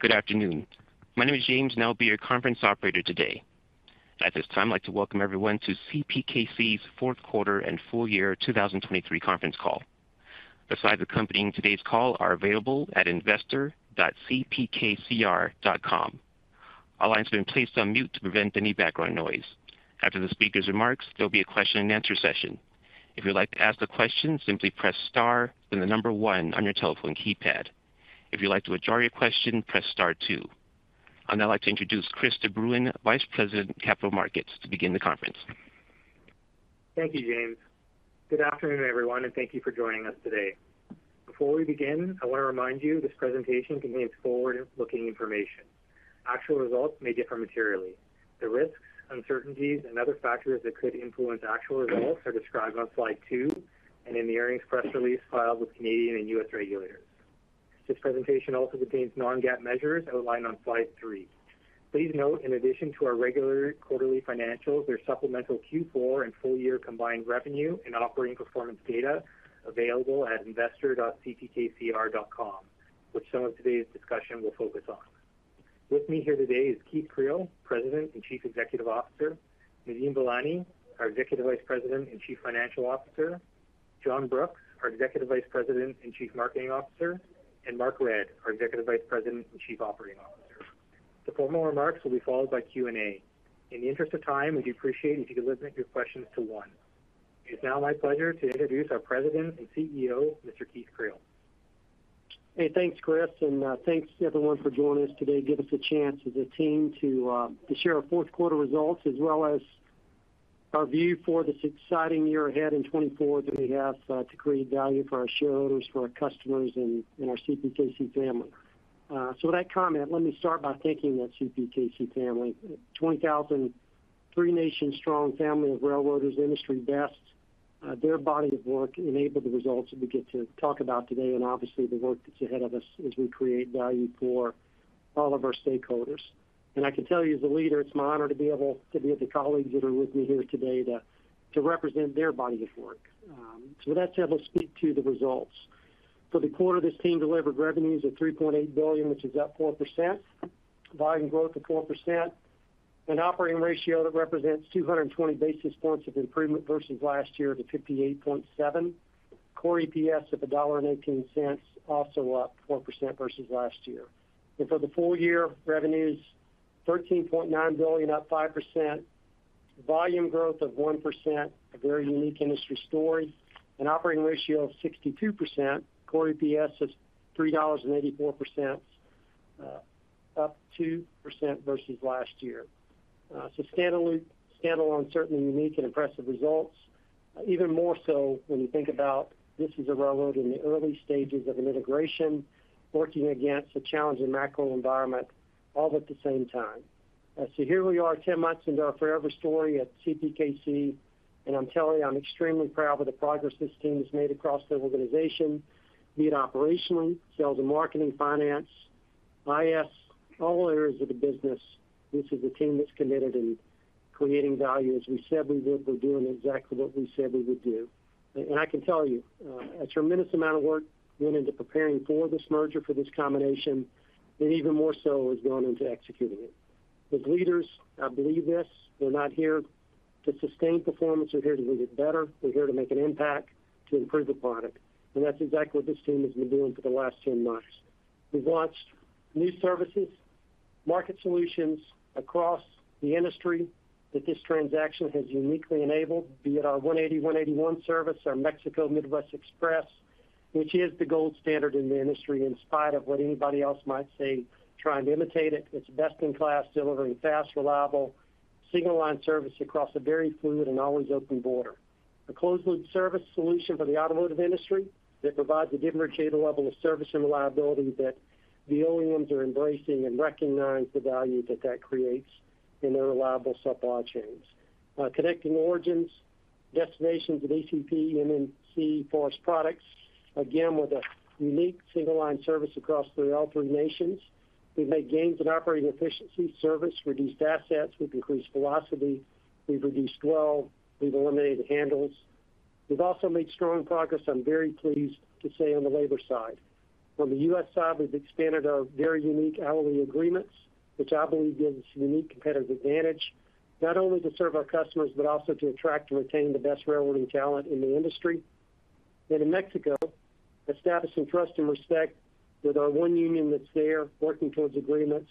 Good afternoon. My name is James, and I'll be your conference operator today. At this time, I'd like to welcome everyone to CPKC's Fourth Quarter and Full Year 2023 Conference Call. The slides accompanying today's call are available at investor.cpkcr.com. All lines have been placed on mute to prevent any background noise. After the speaker's remarks, there'll be a question and answer session. If you'd like to ask a question, simply press star, then the number one on your telephone keypad. If you'd like to withdraw your question, press star two. I'd now like to introduce Chris de Bruyn, Vice President, Capital Markets, to begin the conference. Thank you, James. Good afternoon, everyone, and thank you for joining us today. Before we begin, I want to remind you this presentation contains forward-looking information. Actual results may differ materially. The risks, uncertainties, and other factors that could influence actual results are described on slide two and in the earnings press release filed with Canadian and U.S. regulators. This presentation also contains non-GAAP measures outlined on slide three. Please note, in addition to our regular quarterly financials, there's supplemental Q4 and full-year combined revenue and operating performance data available at investor.cpkcr.com, which some of today's discussion will focus on. With me here today is Keith Creel, President and Chief Executive Officer, Nadeem Velani, our Executive Vice President and Chief Financial Officer, John Brooks, our Executive Vice President and Chief Marketing Officer, and Mark Redd, our Executive Vice President and Chief Operating Officer. The formal remarks will be followed by Q&A. In the interest of time, we'd appreciate if you could limit your questions to one. It's now my pleasure to introduce our President and CEO, Mr. Keith Creel. Hey, thanks, Chris, and, thanks, everyone, for joining us today. Give us a chance as a team to, to share our fourth quarter results, as well as our view for this exciting year ahead in 2024 that we have, to create value for our shareholders, for our customers, and, and our CPKC family. So with that comment, let me start by thanking the CPKC family. 20,000 three-nation strong family of railroaders, industry best. Their body of work enabled the results that we get to talk about today, and obviously the work that's ahead of us as we create value for all of our stakeholders. And I can tell you, as a leader, it's my honor to be able to be with the colleagues that are with me here today to, to represent their body of work. So with that said, let's speak to the results. For the quarter, this team delivered revenues of $3.8 billion, which is up 4%, volume growth of 4%, an operating ratio that represents 220 basis points of improvement versus last year to 58.7%. Core EPS at $1.18, also up 4% versus last year. And for the full year, revenues $13.9 billion, up 5%, volume growth of 1%, a very unique industry story, an operating ratio of 62%, core EPS of $3.84, up 2% versus last year. So standalone, standalone, certainly unique and impressive results. Even more so when you think about this is a railroad in the early stages of an integration, working against a challenging macro environment all at the same time. So here we are, 10 months into our forever story at CPKC, and I'm telling you, I'm extremely proud of the progress this team has made across the organization, be it operationally, sales and marketing, finance, IS, all areas of the business. This is a team that's committed in creating value. As we said we would, we're doing exactly what we said we would do. And I can tell you, a tremendous amount of work went into preparing for this merger, for this combination, and even more so has gone into executing it. As leaders, I believe this, we're not here to sustain performance, we're here to make it better. We're here to make an impact, to improve the product, and that's exactly what this team has been doing for the last 10 months. We've launched new services, market solutions across the industry that this transaction has uniquely enabled, be it our 180/181 service, our Mexico Midwest Express, which is the gold standard in the industry, in spite of what anybody else might say, try and imitate it. It's best in class, delivering fast, reliable, single line service across a very fluid and always open border. A closed loop service solution for the automotive industry that provides a differentiated level of service and reliability that the OEMs are embracing and recognize the value that that creates in their reliable supply chains. Connecting origins, destinations with ECP, MMC forest products, again, with a unique single line service across all three nations. We've made gains in operating efficiency, service, reduced assets, we've increased velocity, we've reduced dwell, we've eliminated handles. We've also made strong progress, I'm very pleased to say, on the labor side. On the U.S. side, we've expanded our very unique hourly agreements, which I believe gives us a unique competitive advantage, not only to serve our customers, but also to attract and retain the best railroading talent in the industry. And in Mexico, establishing trust and respect with our one union that's there, working towards agreements,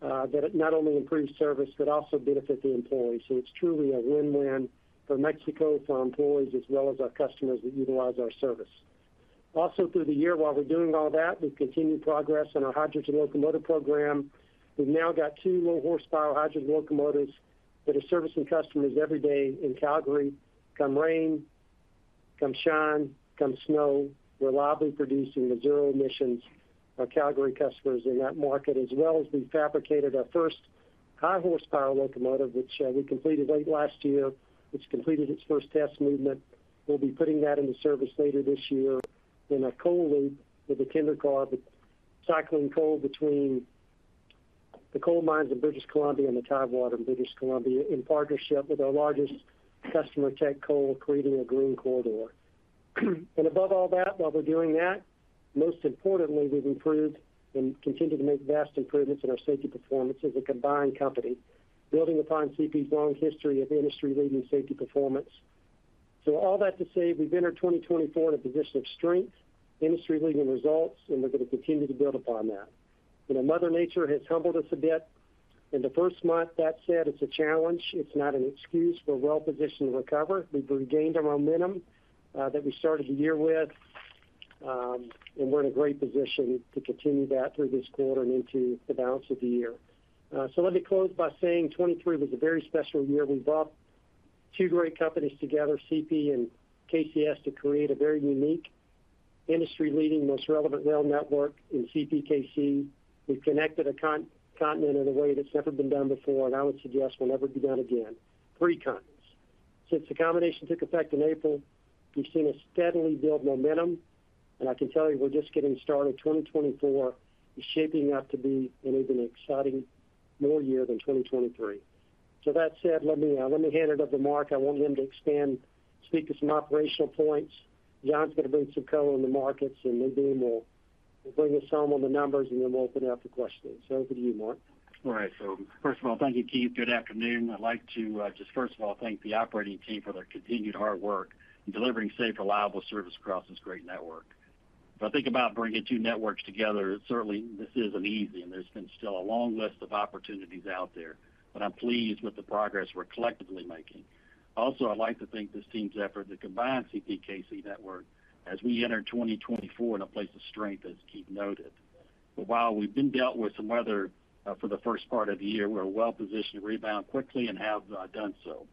that it not only improves service, but also benefit the employees. So it's truly a win-win for Mexico, for our employees, as well as our customers that utilize our service. Also through the year, while we're doing all that, we've continued progress on our hydrogen locomotive program. We've now got two low horsepower hydrogen locomotives that are servicing customers every day in Calgary. Come rain, come shine, come snow, we're reliably producing the zero emissions our Calgary customers in that market, as well as we've fabricated our first high horsepower locomotive, which, we completed late last year. It's completed its first test movement. We'll be putting that into service later this year in a coal loop with a tender car, but cycling coal between the coal mines in British Columbia and the tidewater in British Columbia, in partnership with our largest customer, Teck Coal, creating a green corridor. And above all that, while we're doing that, most importantly, we've improved and continue to make vast improvements in our safety performance as a combined company, building upon CP's long history of industry-leading safety performance. So all that to say, we've entered 2024 in a position of strength, industry-leading results, and we're going to continue to build upon that. You know, Mother Nature has humbled us a bit in the first month. That said, it's a challenge. It's not an excuse, we're well-positioned to recover. We've regained our momentum, that we started the year with, and we're in a great position to continue that through this quarter and into the balance of the year. So let me close by saying, 2023 was a very special year. We brought two great companies together, CP and KCS, to create a very unique industry-leading, most relevant rail network in CPKC. We've connected a continent in a way that's never been done before, and I would suggest will never be done again. Three continents. Since the combination took effect in April, we've seen a steady build momentum, and I can tell you we're just getting started. 2024 is shaping up to be an even more exciting year than 2023. So that said, let me hand it over to Mark. I want him to expand, speak to some operational points. John's going to bring some color in the markets, and then Nadeem will bring us home on the numbers, and then we'll open it up for questioning. So over to you, Mark. All right. So first of all, thank you, Keith. Good afternoon. I'd like to just first of all, thank the operating team for their continued hard work in delivering safe, reliable service across this great network. If I think about bringing two networks together, certainly this isn't easy, and there's been still a long list of opportunities out there, but I'm pleased with the progress we're collectively making. Also, I'd like to thank this team's effort to combine CPKC network as we enter 2024 in a place of strength, as Keith noted. But while we've been dealt with some weather for the first part of the year, we're well-positioned to rebound quickly and have done so.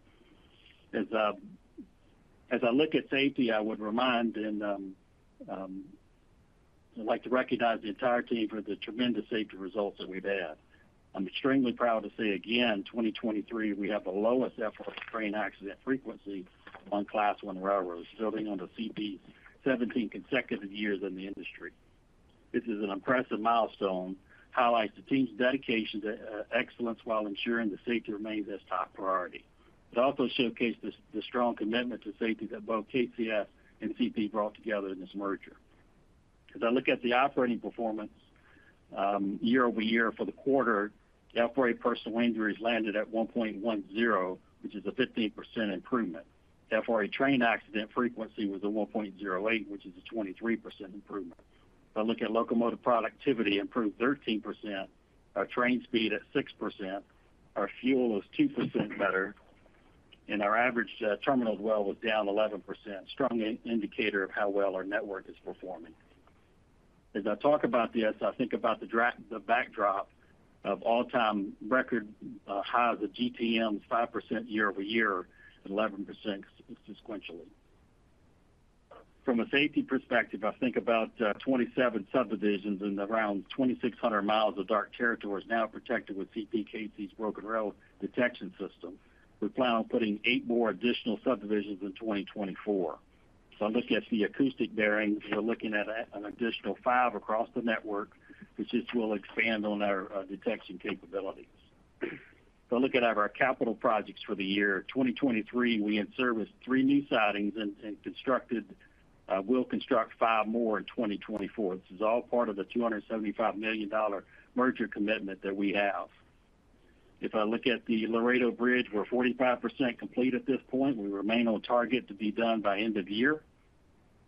As I look at safety, I would remind and I'd like to recognize the entire team for the tremendous safety results that we've had. I'm extremely proud to say again, 2023, we have the lowest FRA train accident frequency on Class I railroads, building on the CP 17 consecutive years in the industry. This is an impressive milestone, highlights the team's dedication to excellence while ensuring the safety remains as top priority. It also showcases the strong commitment to safety that both KCS and CP brought together in this merger. As I look at the operating performance, year-over-year for the quarter, the FRA personal injuries landed at one point one zero, which is a 15% improvement. Therefore, a train accident frequency was a one point zero eight, which is a 23% improvement. If I look at locomotive productivity, improved 13%, our train speed at 6%, our fuel is 2% better, and our average terminal dwell as well, was down 11%. Strong indicator of how well our network is performing. As I talk about this, I think about the backdrop of all-time record high, the GTM, 5% year-over-year, and 11% sequentially. From a safety perspective, I think about 27 subdivisions and around 2,600 miles of dark territory is now protected with CPKC's broken rail detection system. We plan on putting eight more additional subdivisions in 2024. So I look at the acoustic bearings, we're looking at an additional five across the network, which will expand on our detection capabilities. So look at our capital projects for the year. In 2023, we in service three new sidings and constructed, we'll construct five more in 2024. This is all part of the $275 million merger commitment that we have. If I look at the Laredo Bridge, we're 45% complete at this point. We remain on target to be done by end of year.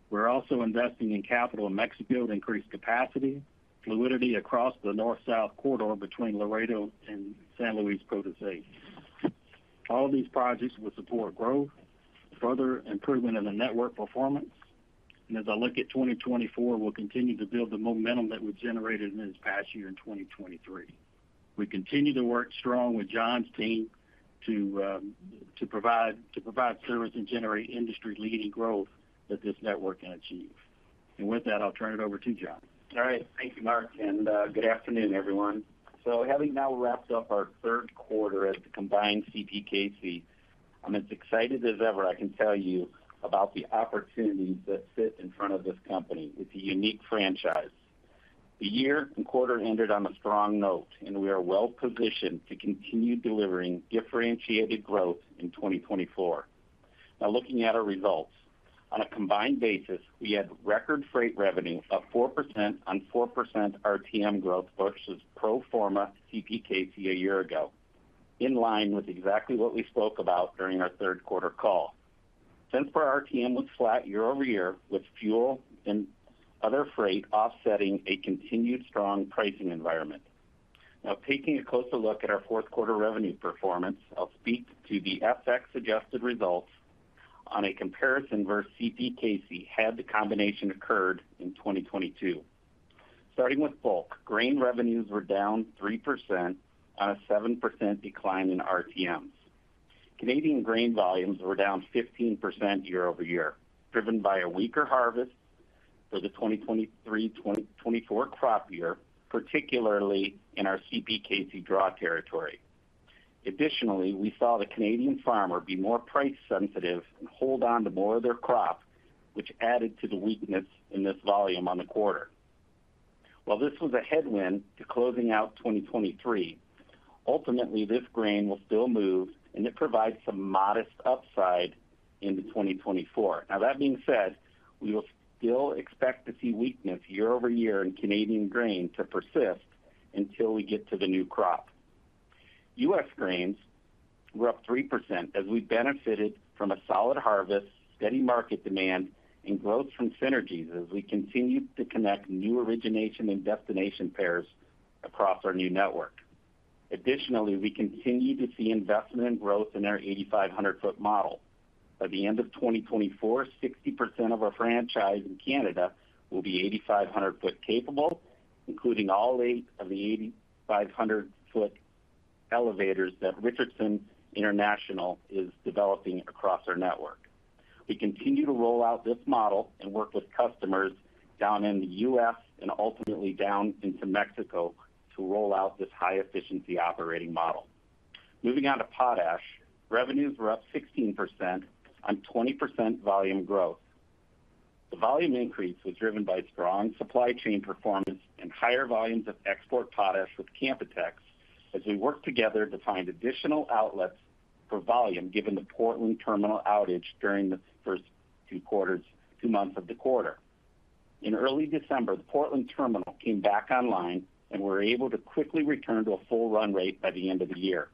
We're also investing in capital in Mexico to increase capacity, fluidity across the North-South corridor between Laredo and San Luis Potosí. All these projects will support growth, further improvement in the network performance, and as I look at 2024, we'll continue to build the momentum that we've generated in this past year in 2023. We continue to work strong with John's team to, to provide, to provide service and generate industry-leading growth that this network can achieve. And with that, I'll turn it over to John. All right. Thank you, Mark, and good afternoon, everyone. So having now wrapped up our third quarter as the combined CPKC, I'm as excited as ever, I can tell you about the opportunities that sit in front of this company. It's a unique franchise. The year and quarter ended on a strong note, and we are well-positioned to continue delivering differentiated growth in 2024. Now, looking at our results. On a combined basis, we had record freight revenue of 4% on 4% RTM growth versus pro forma CPKC a year ago, in line with exactly what we spoke about during our third quarter call. Since our RTM was flat year-over-year, with fuel and other freight offsetting a continued strong pricing environment. Now, taking a closer look at our fourth quarter revenue performance, I'll speak to the FX-adjusted results on a comparison versus CPKC, had the combination occurred in 2022. Starting with bulk, grain revenues were down 3% on a 7% decline in RTMs. Canadian grain volumes were down 15% year-over-year, driven by a weaker harvest for the 2023/2024 crop year, particularly in our CPKC draw territory. Additionally, we saw the Canadian farmer be more price sensitive and hold on to more of their crop, which added to the weakness in this volume on the quarter. While this was a headwind to closing out 2023, ultimately, this grain will still move, and it provides some modest upside into 2024. Now, that being said, we will still expect to see weakness year over year in Canadian grain to persist until we get to the new crop. US grains were up 3% as we benefited from a solid harvest, steady market demand, and growth from synergies, as we continue to connect new origination and destination pairs across our new network. Additionally, we continue to see investment and growth in our 8,500 ft. model. By the end of 2024, 60% of our franchise in Canada will be 8,500 ft. capable, including all eight of the 8,500 ft. elevators that Richardson International is developing across our network. We continue to roll out this model and work with customers down in the U.S. and ultimately down into Mexico to roll out this high-efficiency operating model. Moving on to potash, revenues were up 16% on 20% volume growth. The volume increase was driven by strong supply chain performance and higher volumes of export potash with Canpotex, as we work together to find additional outlets for volume, given the Portland terminal outage during the first two quarters, two months of the quarter. In early December, the Portland terminal came back online, and we're able to quickly return to a full run rate by the end of the year.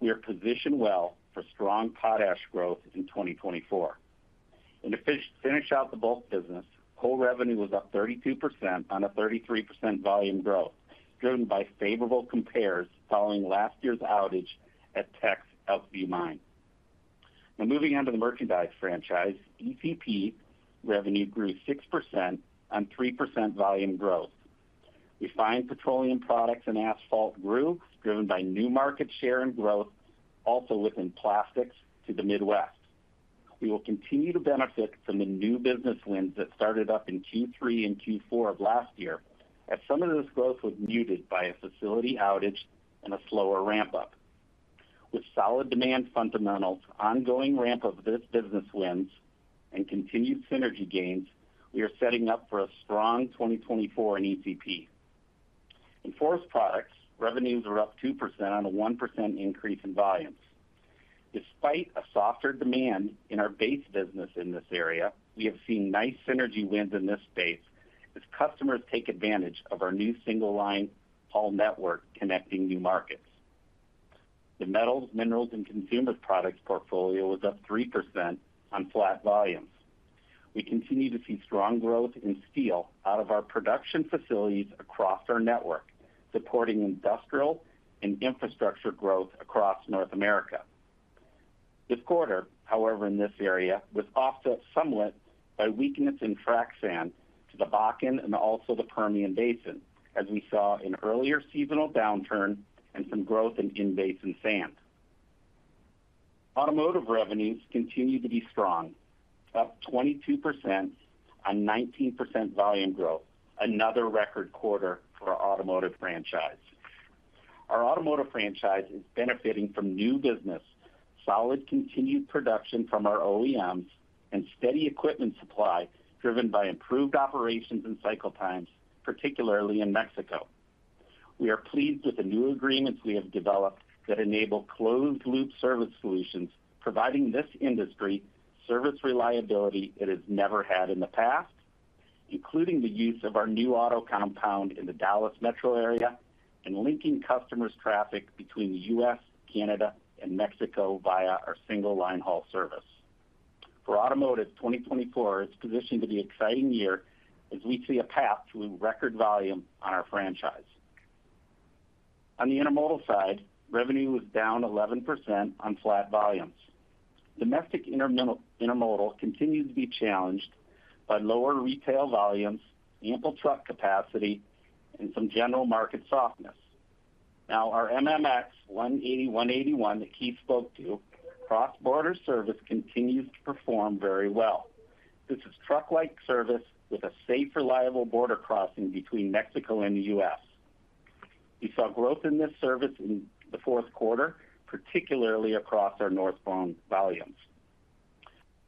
We are positioned well for strong potash growth in 2024. To finish out the bulk business, coal revenue was up 32% on a 33% volume growth, driven by favorable compares following last year's outage at Teck's Elkview Mine. Now, moving on to the merchandise franchise, ECP revenue grew 6% on 3% volume growth. Refined petroleum products and asphalt grew, driven by new market share and growth, also within plastics to the Midwest. We will continue to benefit from the new business wins that started up in Q3 and Q4 of last year, as some of this growth was muted by a facility outage and a slower ramp-up. With solid demand fundamentals, ongoing ramp of this business wins, and continued synergy gains, we are setting up for a strong 2024 in ECP. In forest products, revenues are up 2% on a 1% increase in volumes. Despite a softer demand in our base business in this area, we have seen nice synergy wins in this space as customers take advantage of our new single line haul network connecting new markets. The metals, minerals, and consumer products portfolio was up 3% on flat volumes. We continue to see strong growth in steel out of our production facilities across our network, supporting industrial and infrastructure growth across North America. This quarter, however, in this area, was offset somewhat by weakness in frac sand to the Bakken and also the Permian Basin, as we saw an earlier seasonal downturn and some growth in basin sand. Automotive revenues continue to be strong, up 22% on 19% volume growth, another record quarter for our automotive franchise. Our automotive franchise is benefiting from new business, solid continued production from our OEMs, and steady equipment supply, driven by improved operations and cycle times, particularly in Mexico. We are pleased with the new agreements we have developed that enable closed-loop service solutions, providing this industry service reliability it has never had in the past, including the use of our new auto compound in the Dallas metro area and linking customers' traffic between the U.S., Canada, and Mexico via our single line haul service. For automotive, 2024 is positioned to be an exciting year as we see a path to a record volume on our franchise. On the intermodal side, revenue was down 11% on flat volumes. Domestic intermodal, intermodal continued to be challenged by lower retail volumes, ample truck capacity, and some general market softness. Now, our MMX 180/181, that Keith spoke to, cross-border service continues to perform very well. This is truck-like service with a safe, reliable border crossing between Mexico and the U.S. We saw growth in this service in the fourth quarter, particularly across our northbound volumes.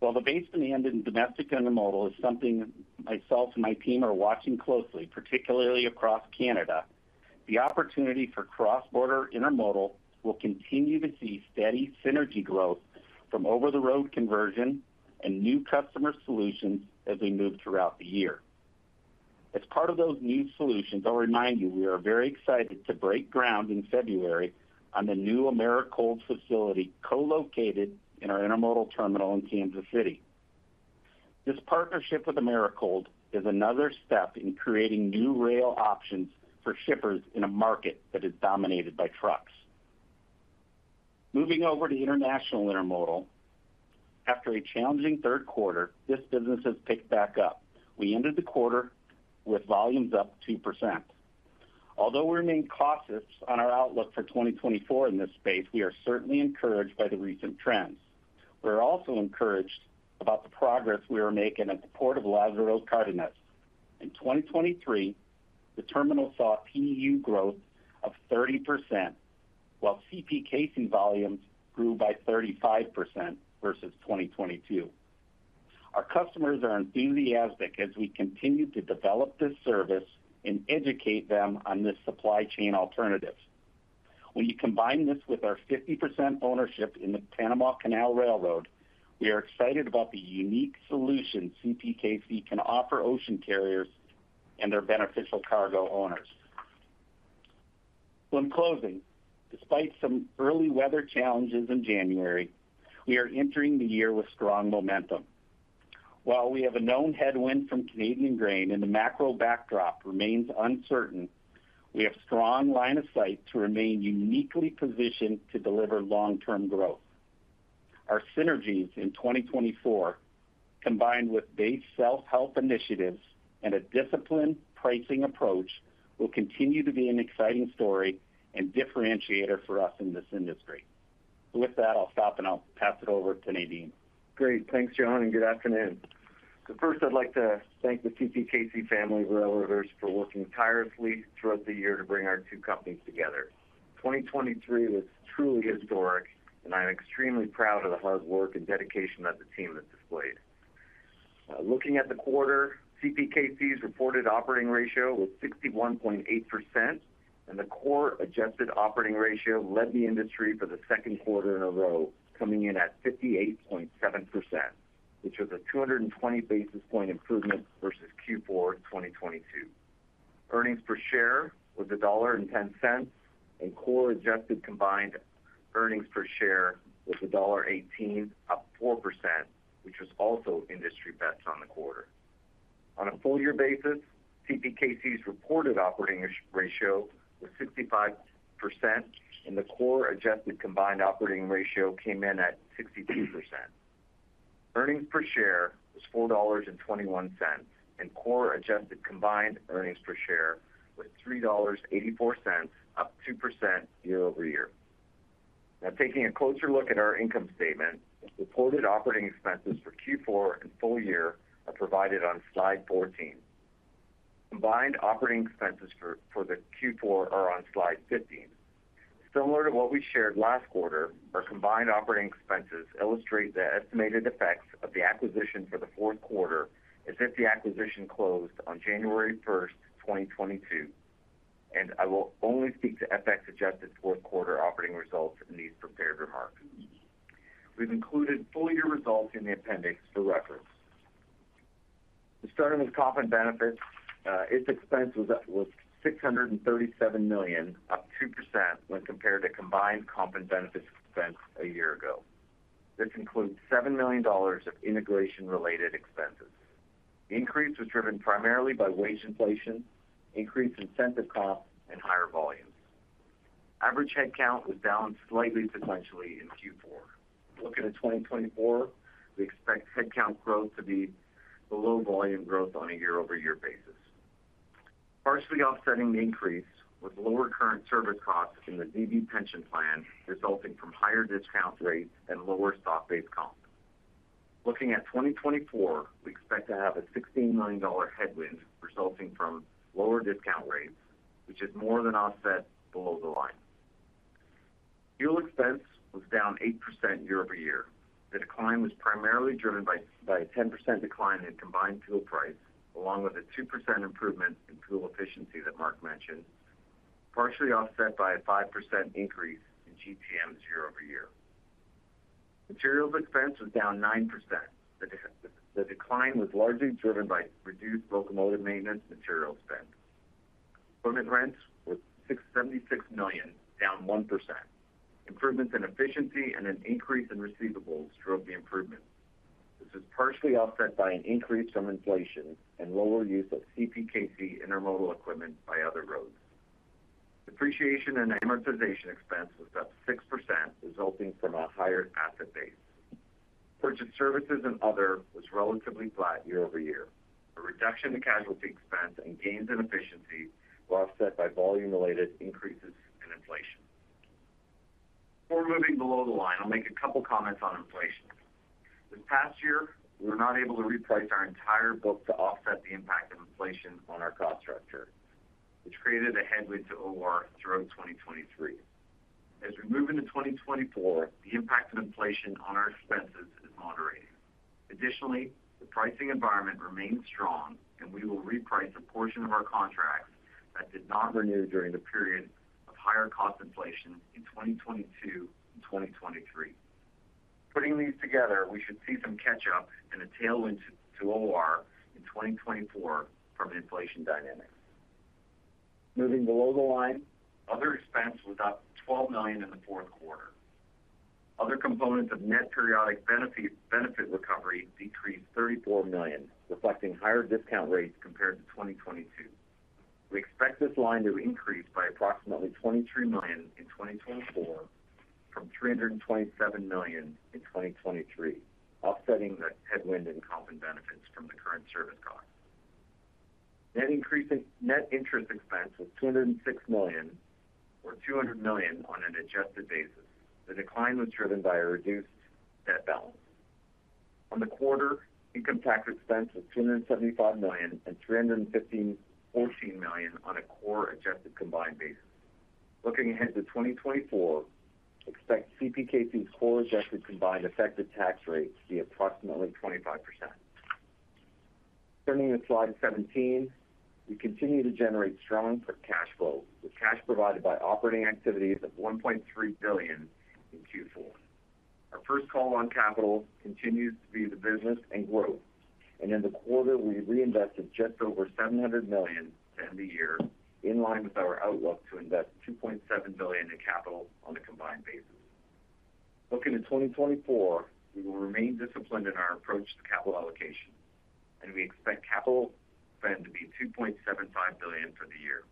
While the base demand in domestic intermodal is something myself and my team are watching closely, particularly across Canada, the opportunity for cross-border intermodal will continue to see steady synergy growth from over-the-road conversion and new customer solutions as we move throughout the year. As part of those new solutions, I'll remind you, we are very excited to break ground in February on the new Americold facility, co-located in our intermodal terminal in Kansas City. This partnership with Americold is another step in creating new rail options for shippers in a market that is dominated by trucks. Moving over to international intermodal. After a challenging third quarter, this business has picked back up. We ended the quarter with volumes up 2%. Although we remain cautious on our outlook for 2024 in this space, we are certainly encouraged by the recent trends. We are also encouraged about the progress we are making at the Port of Lázaro Cárdenas. In 2023, the terminal saw TEU growth of 30%, while CPKC volumes grew by 35% versus 2022. Our customers are enthusiastic as we continue to develop this service and educate them on this supply chain alternative. When you combine this with our 50% ownership in the Panama Canal Railroad, we are excited about the unique solution CPKC can offer ocean carriers and their beneficial cargo owners. So in closing, despite some early weather challenges in January, we are entering the year with strong momentum. While we have a known headwind from Canadian grain and the macro backdrop remains uncertain, we have strong line of sight to remain uniquely positioned to deliver long-term growth. Our synergies in 2024, combined with base self-help initiatives and a disciplined pricing approach, will continue to be an exciting story and differentiator for us in this industry. With that, I'll stop and I'll pass it over to Nadeem. Great. Thanks, John, and good afternoon. First, I'd like to thank the CPKC family of railroaders for working tirelessly throughout the year to bring our two companies together. 2023 was truly historic, and I'm extremely proud of the hard work and dedication that the team has displayed. Looking at the quarter, CPKC's reported operating ratio was 61.8%, and the core adjusted operating ratio led the industry for the second quarter in a row, coming in at 58.7%, which was a 220 basis point improvement versus Q4 2022. Earnings per share was $1.10, and core adjusted combined earnings per share was $1.18, up 4%, which was also industry best on the quarter. On a full-year basis, CPKC's reported operating ratio was 65%, and the core adjusted combined operating ratio came in at 62%. Earnings per share was $4.21, and core adjusted combined earnings per share was $3.84, up 2% year-over-year. Now, taking a closer look at our income statement, the reported operating expenses for Q4 and full year are provided on slide 14. Combined operating expenses for the Q4 are on slide 15. Similar to what we shared last quarter, our combined operating expenses illustrate the estimated effects of the acquisition for the fourth quarter, as if the acquisition closed on January 1st, 2022, and I will only speak to FX-adjusted fourth quarter operating results in these prepared remarks. We've included full year results in the appendix for reference. Starting with comp and benefits, its expense was $637 million, up 2% when compared to combined comp and benefits expense a year ago. This includes $7 million of integration-related expenses. The increase was driven primarily by wage inflation, increased incentive costs, and higher volumes. Average headcount was down slightly sequentially in Q4. Looking at 2024, we expect headcount growth to be below volume growth on a year-over-year basis. Partially offsetting the increase was lower current service costs in the DB pension plan, resulting from higher discount rates and lower stock-based comp. Looking at 2024, we expect to have a $16 million headwind resulting from lower discount rates, which is more than offset below the line. Fuel expense was down 8% year-over-year. The decline was primarily driven by a 10% decline in combined fuel price, along with a 2% improvement in fuel efficiency that Mark mentioned, partially offset by a 5% increase in GTMs year-over-year. Materials expense was down 9%. The decline was largely driven by reduced locomotive maintenance material spend. Equipment rents was $676 million, down 1%. Improvements in efficiency and an increase in receivables drove the improvement. This is partially offset by an increase from inflation and lower use of CPKC intermodal equipment by other roads. Depreciation and amortization expense was up 6%, resulting from a higher asset base. Purchase services and other was relatively flat year-over-year. A reduction in casualty expense and gains in efficiency were offset by volume-related increases in inflation. Before moving below the line, I'll make a couple comments on inflation. This past year, we were not able to reprice our entire book to offset the impact of inflation on our cost structure, which created a headwind to OR throughout 2023. As we move into 2024, the impact of inflation on our expenses is moderating. Additionally, the pricing environment remains strong, and we will reprice a portion of our contracts that did not renew during the period of higher cost inflation in 2022 and 2023. Putting these together, we should see some catch-up and a tailwind to OR in 2024 from an inflation dynamic. Moving below the line, other expense was up $12 million in the fourth quarter. Other components of net periodic benefit recovery decreased $34 million, reflecting higher discount rates compared to 2022. We expect this line to increase by approximately $23 million in 2024 from $327 million in 2023, offsetting the headwind in comp and benefits from the current service cost. Net increase in net interest expense was $206 million, or $200 million on an adjusted basis. The decline was driven by a reduced debt balance. On the quarter, income tax expense was $275 million and $315.14 million on a core adjusted combined basis. Looking ahead to 2024, expect CPKC's core adjusted combined effective tax rate to be approximately 25%. Turning to slide 17, we continue to generate strong free cash flow, with cash provided by operating activities of $1.3 billion in Q4. Our first call on capital continues to be the business and growth, and in the quarter, we reinvested just over $700 million to end the year, in line with our outlook to invest $2.7 billion in capital on a combined basis. Looking to 2024, we will remain disciplined in our approach to capital allocation, and we expect capital spend to be $2.75 billion for the year.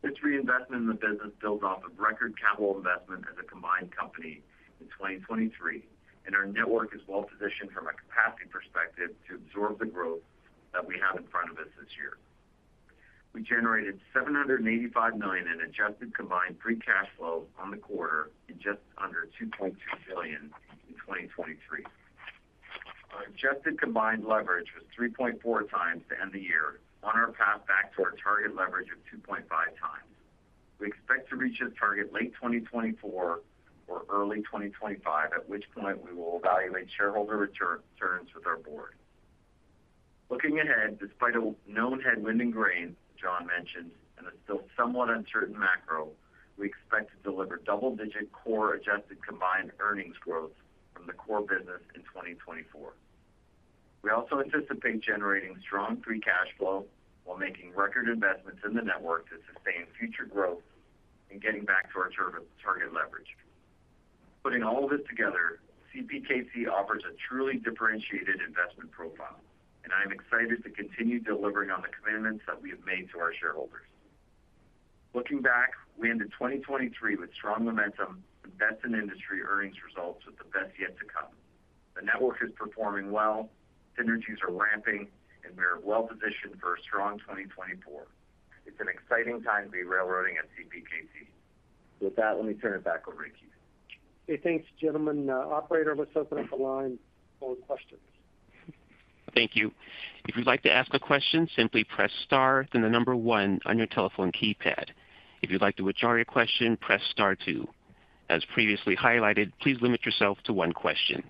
This reinvestment in the business builds off of record capital investment as a combined company in 2023, and our network is well-positioned from a capacity perspective to absorb the growth that we have in front of us this year. We generated $785 million in adjusted combined free cash flow on the quarter and just under $2.2 billion in 2023. Our adjusted combined leverage was 3.4x to end the year, on our path back to our target leverage of 2.5x. We expect to reach this target late 2024 or early 2025, at which point we will evaluate shareholder return, returns with our board. Looking ahead, despite a known headwind in grain, John mentioned, and a still somewhat uncertain macro, we expect to deliver double-digit core adjusted combined earnings growth from the core business in 2024. We also anticipate generating strong free cash flow while making record investments in the network to sustain future growth and getting back to our target, target leverage. Putting all of this together, CPKC offers a truly differentiated investment profile, and I'm excited to continue delivering on the commitments that we have made to our shareholders. Looking back, we ended 2023 with strong momentum, the best in industry earnings results, with the best yet to come. The network is performing well, synergies are ramping, and we are well-positioned for a strong 2024. It's an exciting time to be railroading at CPKC. With that, let me turn it back over to you. Okay, thanks, gentlemen. Operator, let's open up the line for questions. Thank you. If you'd like to ask a question, simply press star, then number one on your telephone keypad. If you'd like to withdraw your question, press star two. As previously highlighted, please limit yourself to one question.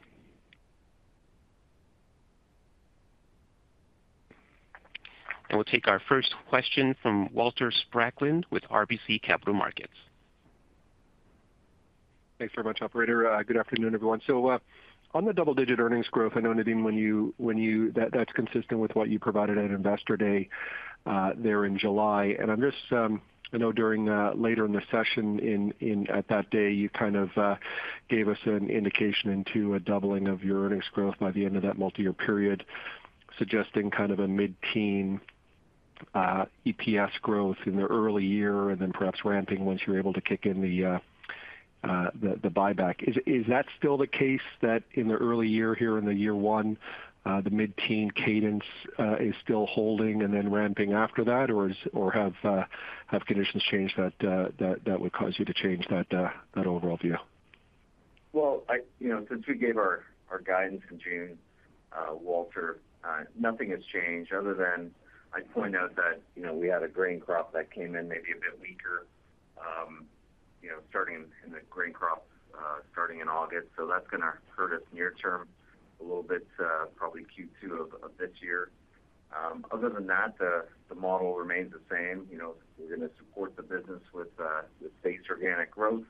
We'll take our first question from Walter Spracklin with RBC Capital Markets. Thanks very much, operator. Good afternoon, everyone. So, on the double-digit earnings growth, I know, Nadeem, when you, when you-- that, that's consistent with what you provided at Investor Day there in July. And on this, I know during later in the session in, in-- at that day, you kind of gave us an indication into a doubling of your earnings growth by the end of that multi-year period, suggesting kind of a mid-teen EPS growth in the early year and then perhaps ramping once you're able to kick in the buyback. Is that still the case that in the early year, here in the year one, the mid-teen cadence is still holding and then ramping after that, or—or have conditions changed that that would cause you to change that overall view? Well, you know, since we gave our guidance in June, Walter, nothing has changed other than I'd point out that, you know, we had a grain crop that came in maybe a bit weaker, you know, starting in the grain crop starting in August. So that's gonna hurt us near term a little bit, probably Q2 of this year. Other than that, the model remains the same. You know, we're gonna support the business with safe organic growth.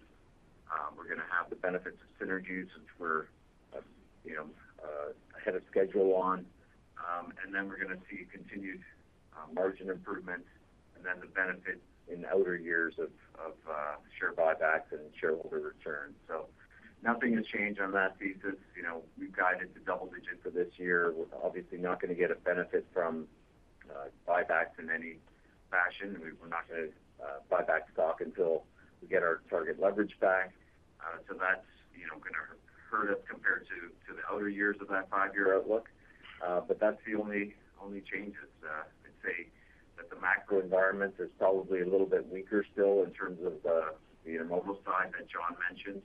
We're gonna have the benefit of synergies, since we're, you know, ahead of schedule on. And then we're gonna see continued margin improvement and then the benefit in the outer years of share buybacks and shareholder returns. So nothing has changed on that thesis. You know, we've guided to double digits for this year. We're obviously not gonna get a benefit from buybacks in any fashion. We're not gonna buy back stock until we get our target leverage back. So that's, you know, gonna hurt us compared to the other years of that five-year outlook. But that's the only change. It's, I'd say that the macro environment is probably a little bit weaker still in terms of the intermodal side that John mentioned.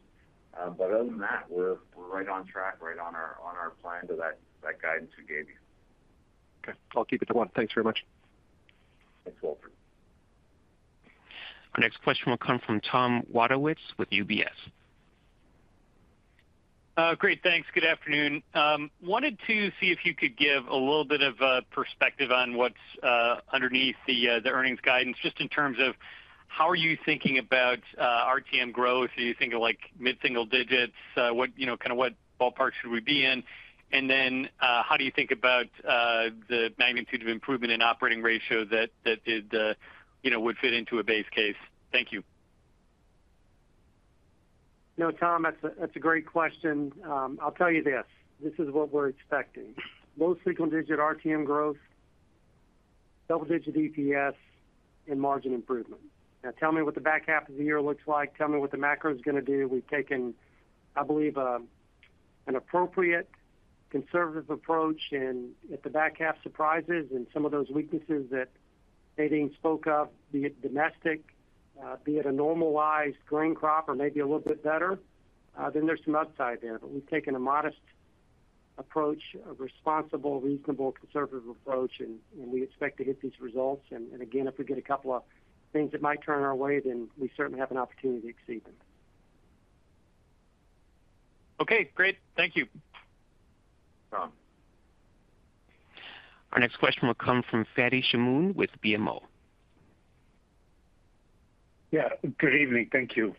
But other than that, we're right on track, right on our plan to that guidance we gave you. Okay. I'll keep it to one. Thanks very much. Thanks, Walter. Our next question will come from Tom Wadewitz with UBS. Great, thanks. Good afternoon. Wanted to see if you could give a little bit of perspective on what's underneath the earnings guidance, just in terms of how are you thinking about RTM growth? Are you thinking of, like, mid-single digits? What, you know, kind of what ballpark should we be in? And then, how do you think about the magnitude of improvement in operating ratio that you know would fit into a base case? Thank you. You know, Tom, that's a great question. I'll tell you this, this is what we're expecting: low single-digit RTM growth, double-digit EPS, and margin improvement. Now, tell me what the back half of the year looks like. Tell me what the macro is gonna do. We've taken, I believe, an appropriate, conservative approach, and if the back half surprises and some of those weaknesses that - Nadeem spoke of, be it domestic, be it a normalized grain crop or maybe a little bit better, then there's some upside there. But we've taken a modest approach, a responsible, reasonable, conservative approach, and, and we expect to hit these results. And, and again, if we get a couple of things that might turn our way, then we certainly have an opportunity to exceed them. Okay, great. Thank you. Tom. Our next question will come from Fadi Chamoun with BMO. Yeah, good evening. Thank you.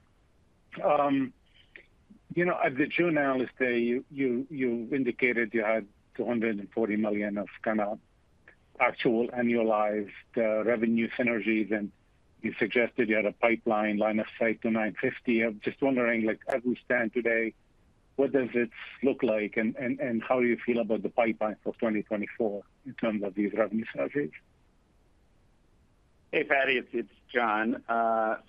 You know, at the June analyst day, you indicated you had $240 million of kind of actual annualized revenue synergies, and you suggested you had a pipeline line of sight to $950. I'm just wondering, like, as we stand today, what does it look like and how do you feel about the pipeline for 2024 in terms of these revenue synergies? Hey, Fadi, it's John.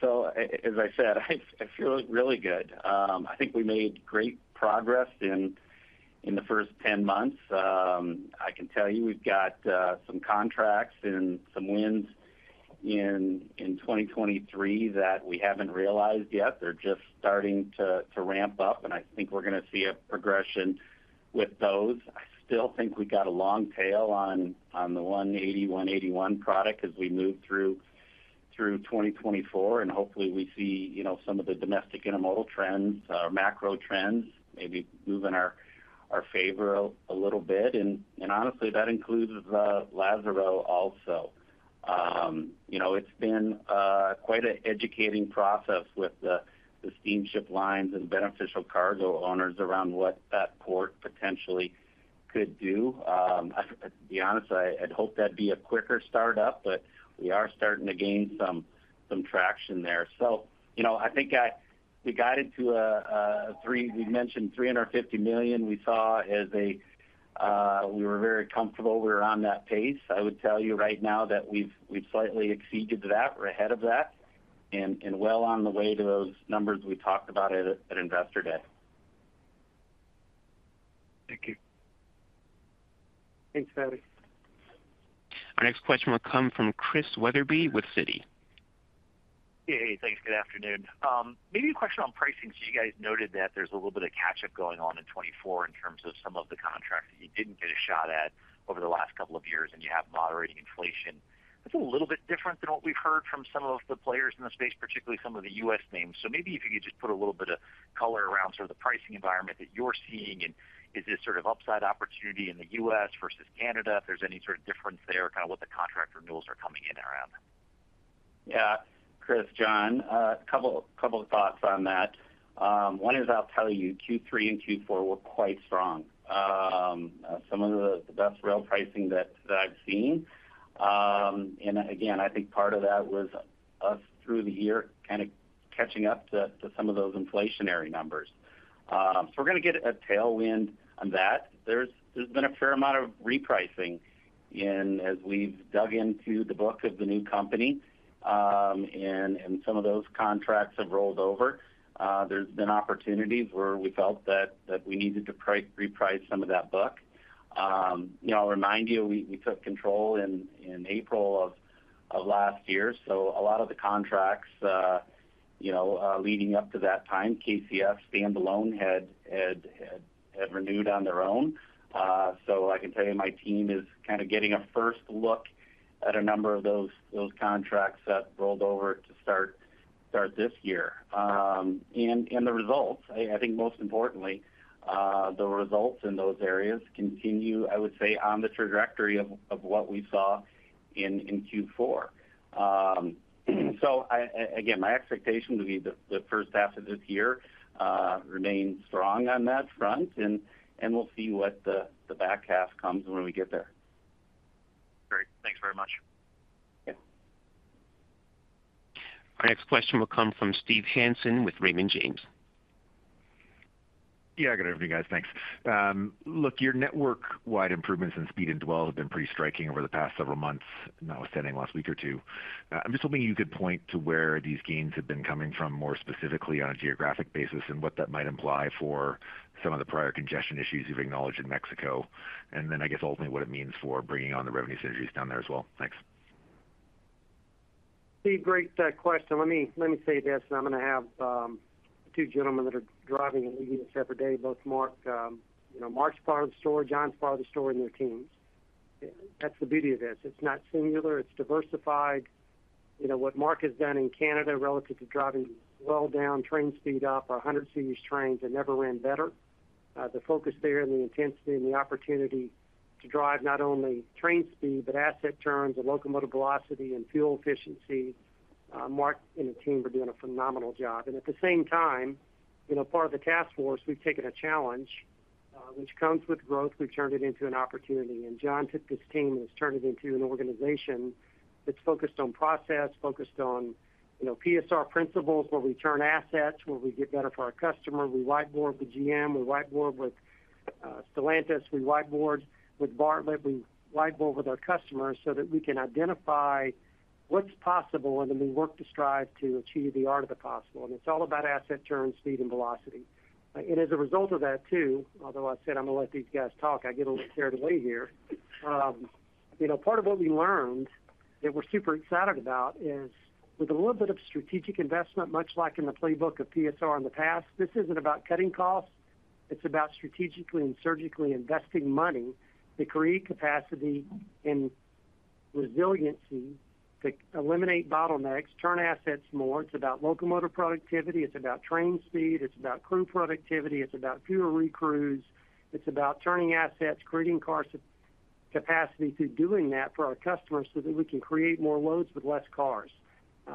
So as I said, I feel really good. I think we made great progress in the first 10 months. I can tell you we've got some contracts and some wins in 2023 that we haven't realized yet. They're just starting to ramp up, and I think we're going to see a progression with those. I still think we got a long tail on the 180/181 product as we move through 2024, and hopefully, we see, you know, some of the domestic intermodal trends, macro trends, maybe move in our favor a little bit. Honestly, that includes Lázaro also. You know, it's been quite an educating process with the steamship lines and beneficial cargo owners around what that port potentially could do. To be honest, I'd hoped that'd be a quicker start-up, but we are starting to gain some traction there. So, you know, we guided to a—we mentioned $350 million we saw as a—we were very comfortable we were on that pace. I would tell you right now that we've slightly exceeded that. We're ahead of that, and well on the way to those numbers we talked about at Investor Day. Thank you. Thanks, Fadi. Our next question will come from Chris Wetherbee with Citi. Hey, thanks. Good afternoon. Maybe a question on pricing, because you guys noted that there's a little bit of catch-up going on in 2024 in terms of some of the contracts that you didn't get a shot at over the last couple of years, and you have moderating inflation. That's a little bit different than what we've heard from some of the players in the space, particularly some of the U.S. names. So maybe if you could just put a little bit of color around sort of the pricing environment that you're seeing, and is this sort of upside opportunity in the U.S. versus Canada, if there's any sort of difference there, kind of what the contract renewals are coming in around? Yeah. Chris, John, a couple of thoughts on that. One is, I'll tell you, Q3 and Q4 were quite strong. Some of the best rail pricing that I've seen. And again, I think part of that was us through the year, kind of catching up to some of those inflationary numbers. So we're going to get a tailwind on that. There's been a fair amount of repricing in as we've dug into the book of the new company, and some of those contracts have rolled over. There's been opportunities where we felt that we needed to reprice some of that book. You know, I'll remind you, we took control in April of last year, so a lot of the contracts, you know, leading up to that time, KCS standalone had renewed on their own. So I can tell you, my team is kind of getting a first look at a number of those contracts that rolled over to start this year. And the results, I think most importantly, the results in those areas continue, I would say, on the trajectory of what we saw in Q4. So I again, my expectation would be the first half of this year remains strong on that front, and we'll see what the back half comes when we get there. Great. Thanks very much. Yeah. Our next question will come from Steve Hansen with Raymond James. Yeah, good evening, guys. Thanks. Look, your network-wide improvements in speed and dwell have been pretty striking over the past several months, notwithstanding last week or two. I'm just hoping you could point to where these gains have been coming from, more specifically on a geographic basis, and what that might imply for some of the prior congestion issues you've acknowledged in Mexico. And then, I guess, ultimately, what it means for bringing on the revenue synergies down there as well. Thanks. Steve, great question. Let me say this, and I'm going to have the two gentlemen that are driving and leading this every day, both Mark, you know, Mark's part of the story, John's part of the story, and their teams. That's the beauty of this. It's not singular, it's diversified. You know, what Mark has done in Canada relative to driving dwell down, train speed up, our 100 series trains that never ran better. The focus there and the intensity and the opportunity to drive not only train speed, but asset turns and locomotive velocity and fuel efficiency, Mark and the team are doing a phenomenal job. And at the same time, you know, part of the task force, we've taken a challenge which comes with growth. We've turned it into an opportunity, and John took this team and has turned it into an organization that's focused on process, focused on, you know, PSR principles, where we turn assets, where we get better for our customer. We whiteboard with GM, we whiteboard with Stellantis, we whiteboard with Bartlett, we whiteboard with our customers so that we can identify what's possible, and then we work to strive to achieve the art of the possible. And it's all about asset turn, speed, and velocity. And as a result of that, too, although I said I'm going to let these guys talk, I get a little carried away here. You know, part of what we learned- ...that we're super excited about is, with a little bit of strategic investment, much like in the playbook of PSR in the past, this isn't about cutting costs, it's about strategically and surgically investing money to create capacity and resiliency to eliminate bottlenecks, turn assets more. It's about locomotive productivity, it's about train speed, it's about crew productivity, it's about fewer recrews, it's about turning assets, creating capacity through doing that for our customers so that we can create more loads with less cars.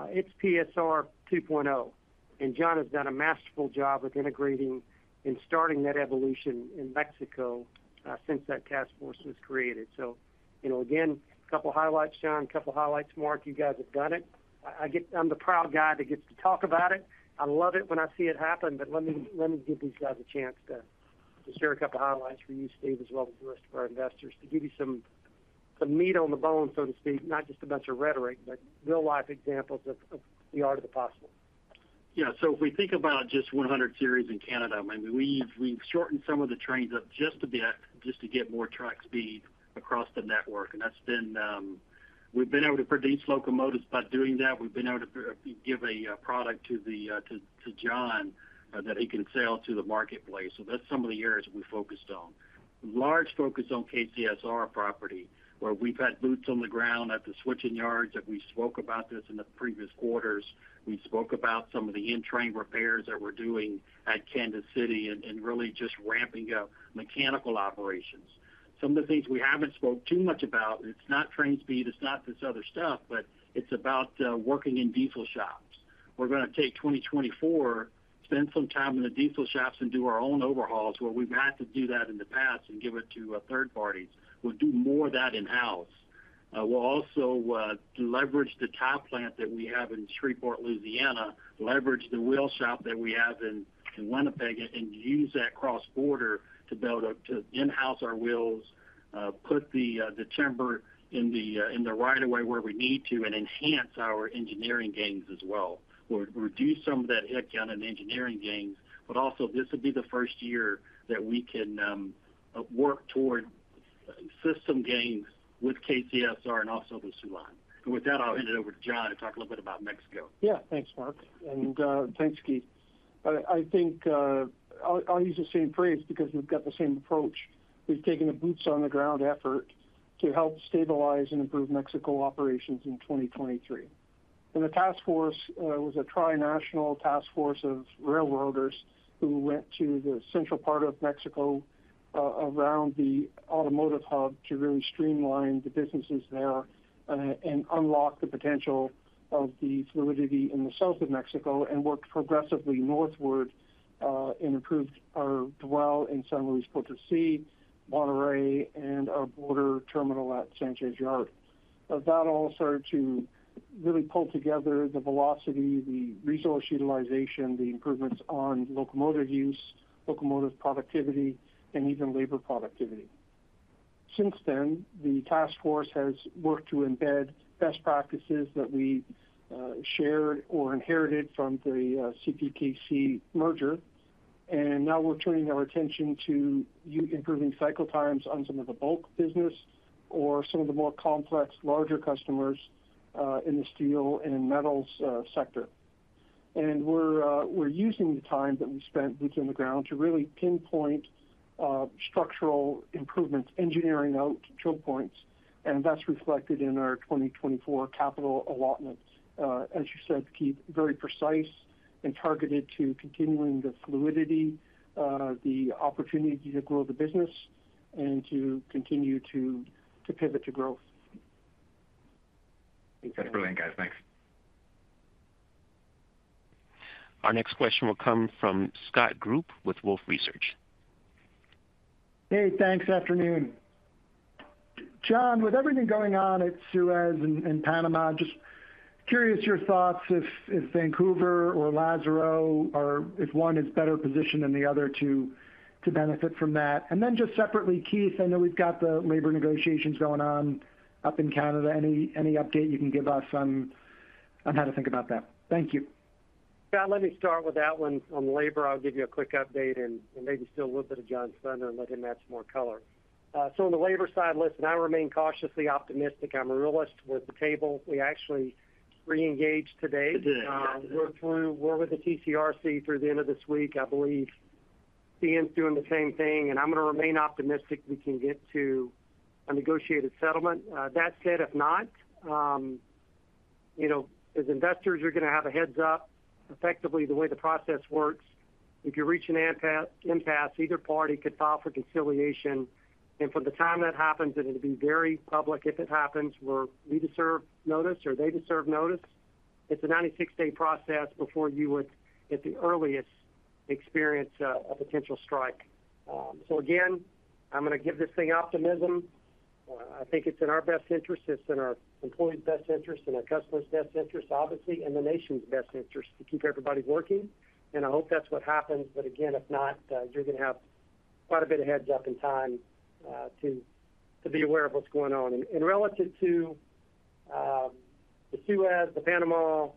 It's PSR 2.0, and John has done a masterful job with integrating and starting that evolution in Mexico, since that task force was created. So, you know, again, a couple highlights, John, a couple of highlights, Mark, you guys have done it. I get-- I'm the proud guy that gets to talk about it. I love it when I see it happen, but let me give these guys a chance to share a couple of highlights for you, Steve, as well as the rest of our investors, to give you some meat on the bone, so to speak, not just a bunch of rhetoric, but real-life examples of the art of the possible. Yeah, so if we think about just 100 series in Canada, I mean, we've shortened some of the trains up just a bit, just to get more track speed across the network, and that's been... We've been able to produce locomotives by doing that. We've been able to give a product to John that he can sell to the marketplace. So that's some of the areas we focused on. Large focus on KCSR property, where we've had boots on the ground at the switching yards that we spoke about this in the previous quarters. We spoke about some of the in-train repairs that we're doing at Kansas City and really just ramping up mechanical operations. Some of the things we haven't spoke too much about, it's not train speed, it's not this other stuff, but it's about, working in diesel shops. We're gonna take 2024, spend some time in the diesel shops and do our own overhauls, where we've had to do that in the past and give it to, third parties. We'll do more of that in-house. We'll also leverage the tire plant that we have in Shreveport, Louisiana, leverage the wheel shop that we have in Winnipeg, and use that cross-border to be able to, in-house our wheels, put the timber in the right-of-way where we need to, and enhance our engineering gains as well, or reduce some of that headcount and engineering gains. But also, this will be the first year that we can work toward system gains with KCS and also with Soo Line. And with that, I'll hand it over to John to talk a little bit about Mexico. Yeah, thanks, Mark, and thanks, Keith. I think I'll use the same phrase because we've got the same approach. We've taken a boots-on-the-ground effort to help stabilize and improve Mexico operations in 2023. The task force was a tri-national task force of railroaders who went to the central part of Mexico, around the automotive hub, to really streamline the businesses there, and unlock the potential of the fluidity in the South of Mexico, and worked progressively northward, and improved our dwell in San Luis Potosí, Monterrey, and our border terminal at Sanchez Yard. That all started to really pull together the velocity, the resource utilization, the improvements on locomotive use, locomotive productivity, and even labor productivity. Since then, the task force has worked to embed best practices that we shared or inherited from the CPKC merger, and now we're turning our attention to improving cycle times on some of the bulk business or some of the more complex, larger customers in the steel and metals sector. We're using the time that we spent boots on the ground to really pinpoint structural improvements, engineering out choke points, and that's reflected in our 2024 capital allotments. As you said, Keith, very precise and targeted to continuing the fluidity, the opportunity to grow the business, and to continue to pivot to growth. Thanks. Brilliant, guys. Thanks. Our next question will come from Scott Group with Wolfe Research. Hey, thanks. Afternoon. John, with everything going on at Suez and Panama, just curious your thoughts if Vancouver or Lázaro are—if one is better positioned than the other to benefit from that? And then just separately, Keith, I know we've got the labor negotiations going on up in Canada. Any update you can give us on how to think about that? Thank you. Yeah, let me start with that one. On labor, I'll give you a quick update and, and maybe steal a little bit of John's thunder and let him add some more color. So on the labor side, listen, I remain cautiously optimistic. I'm a realist with the table. We actually re-engaged today. Today. We're with the TCRC through the end of this week. I believe CN's doing the same thing, and I'm gonna remain optimistic we can get to a negotiated settlement. That said, if not, you know, as investors, you're gonna have a heads-up. Effectively, the way the process works, if you reach an impasse, either party could file for conciliation, and from the time that happens, it'll be very public if it happens, where we deserve notice or they deserve notice. It's a 96-day process before you would, at the earliest, experience a potential strike. So again, I'm gonna give this thing optimism. I think it's in our best interest, it's in our employees' best interest, in our customers' best interest, obviously, and the nation's best interest to keep everybody working, and I hope that's what happens. But again, if not, you're gonna have quite a bit of heads up in time to be aware of what's going on. And relative to the Suez, the Panama,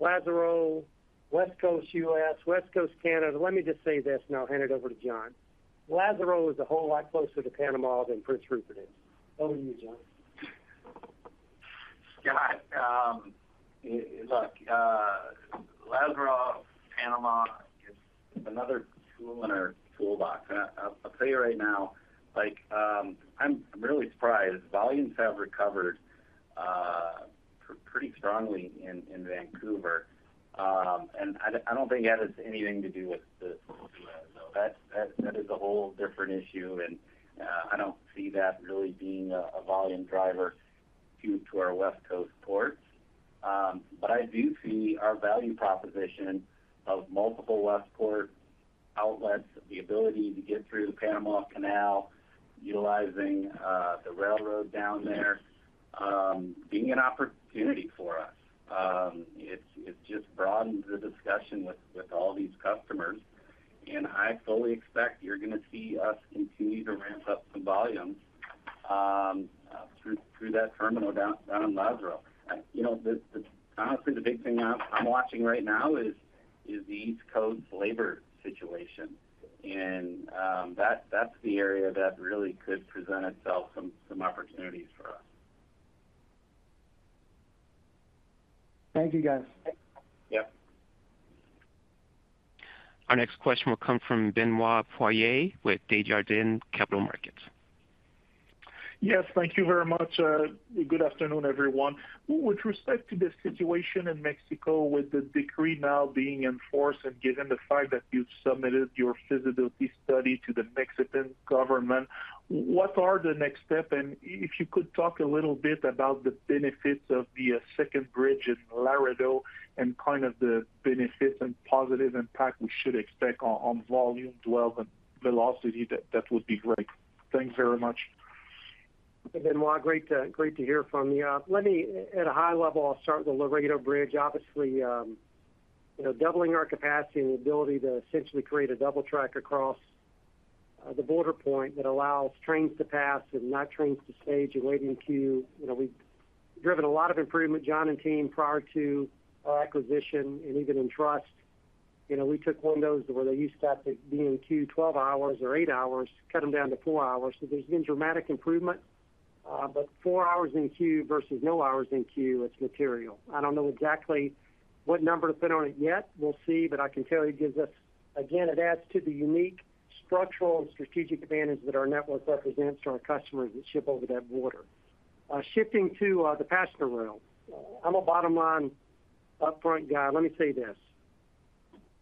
Lázaro, West Coast U.S., West Coast Canada. Let me just say this, and I'll hand it over to John. Lázaro is a whole lot closer to Panama than Prince Rupert is. Over to you, John. Scott, look, Lázaro, Panama, is another tool in our toolbox. And I'll tell you right now, like, I'm really surprised volumes have recovered pretty strongly in Vancouver. And I don't think that has anything to do with the Suez, though. That is a whole different issue, and I don't see that really being a volume driver to our West Coast ports. But I do see our value proposition of multiple West Port outlets, the ability to get through the Panama Canal, utilizing the railroad down there, being an opportunity for us. It just broadens the discussion with all these customers, and I fully expect you're going to see us continue to ramp up some volumes through that terminal down in Lázaro. You know, honestly, the big thing I'm watching right now is the East Coast labor situation. And that's the area that really could present itself some opportunities for us. Thank you, guys. Yep. Our next question will come from Benoit Poirier, with Desjardins Capital Markets. Yes, thank you very much. Good afternoon, everyone. With respect to the situation in Mexico, with the decree now being enforced, and given the fact that you've submitted your feasibility study to the Mexican government, what are the next steps? And if you could talk a little bit about the benefits of the second bridge in Laredo, and the benefits and positive impact we should expect on volume, dwell, and velocity, that would be great. Thanks very much. Benoit, great to, great to hear from you. Let me, at a high level, I'll start with the Laredo Bridge. Obviously, you know, you know, doubling our capacity and the ability to essentially create a double track across the border point that allows trains to pass and not trains to stage and wait in queue. You know, we've driven a lot of improvement, John and team, prior to our acquisition and even in transit. You know, we took windows where they used to have to be in queue 12 hours or eight hours, cut them down to four hours. So there's been dramatic improvement, but four hours in queue versus no hours in queue, it's material. I don't know exactly what number to put on it yet. We'll see, but I can tell you it gives us, again, it adds to the unique structural and strategic advantage that our network represents to our customers that ship over that border. Shifting to the passenger rail. I'm a bottom line, upfront guy. Let me say this: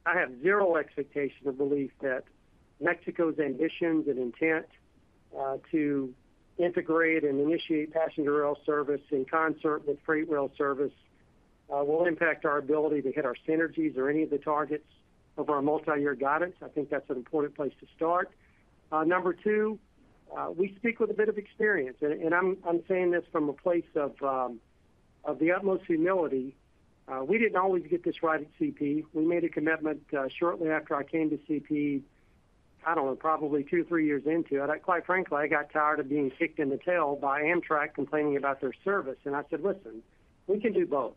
I have zero expectation or belief that Mexico's ambitions and intent to integrate and initiate passenger rail service in concert with freight rail service will impact our ability to hit our synergies or any of the targets of our multi-year guidance. I think that's an important place to start. Number two, we speak with a bit of experience, and I'm saying this from a place of the utmost humility. We didn't always get this right at CP. We made a commitment shortly after I came to CP, I don't know, probably two, three years into it. Quite frankly, I got tired of being kicked in the tail by Amtrak complaining about their service, and I said, "Listen, we can do both."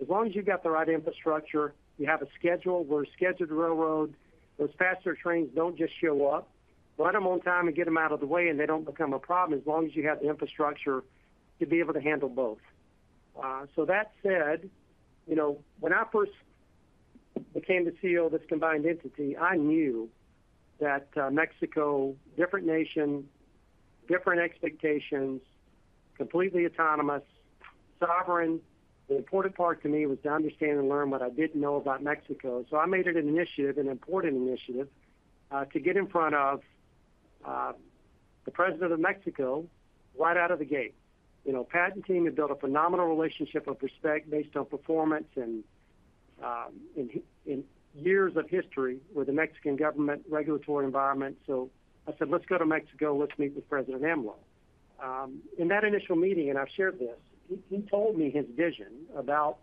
As long as you've got the right infrastructure, you have a schedule. We're a scheduled railroad. Those faster trains don't just show up. Run them on time and get them out of the way, and they don't become a problem, as long as you have the infrastructure to be able to handle both. So that said, you know, when I first came to lead this combined entity, I knew that Mexico, different nation, different expectations, completely autonomous, sovereign. The important part to me was to understand and learn what I didn't know about Mexico. So I made it an initiative, an important initiative, to get in front of the President of Mexico, right out of the gate. You know, Pat and team have built a phenomenal relationship of respect based on performance and, in years of history with the Mexican government regulatory environment. So I said, "Let's go to Mexico. Let's meet with President AMLO." In that initial meeting, and I've shared this, he told me his vision about,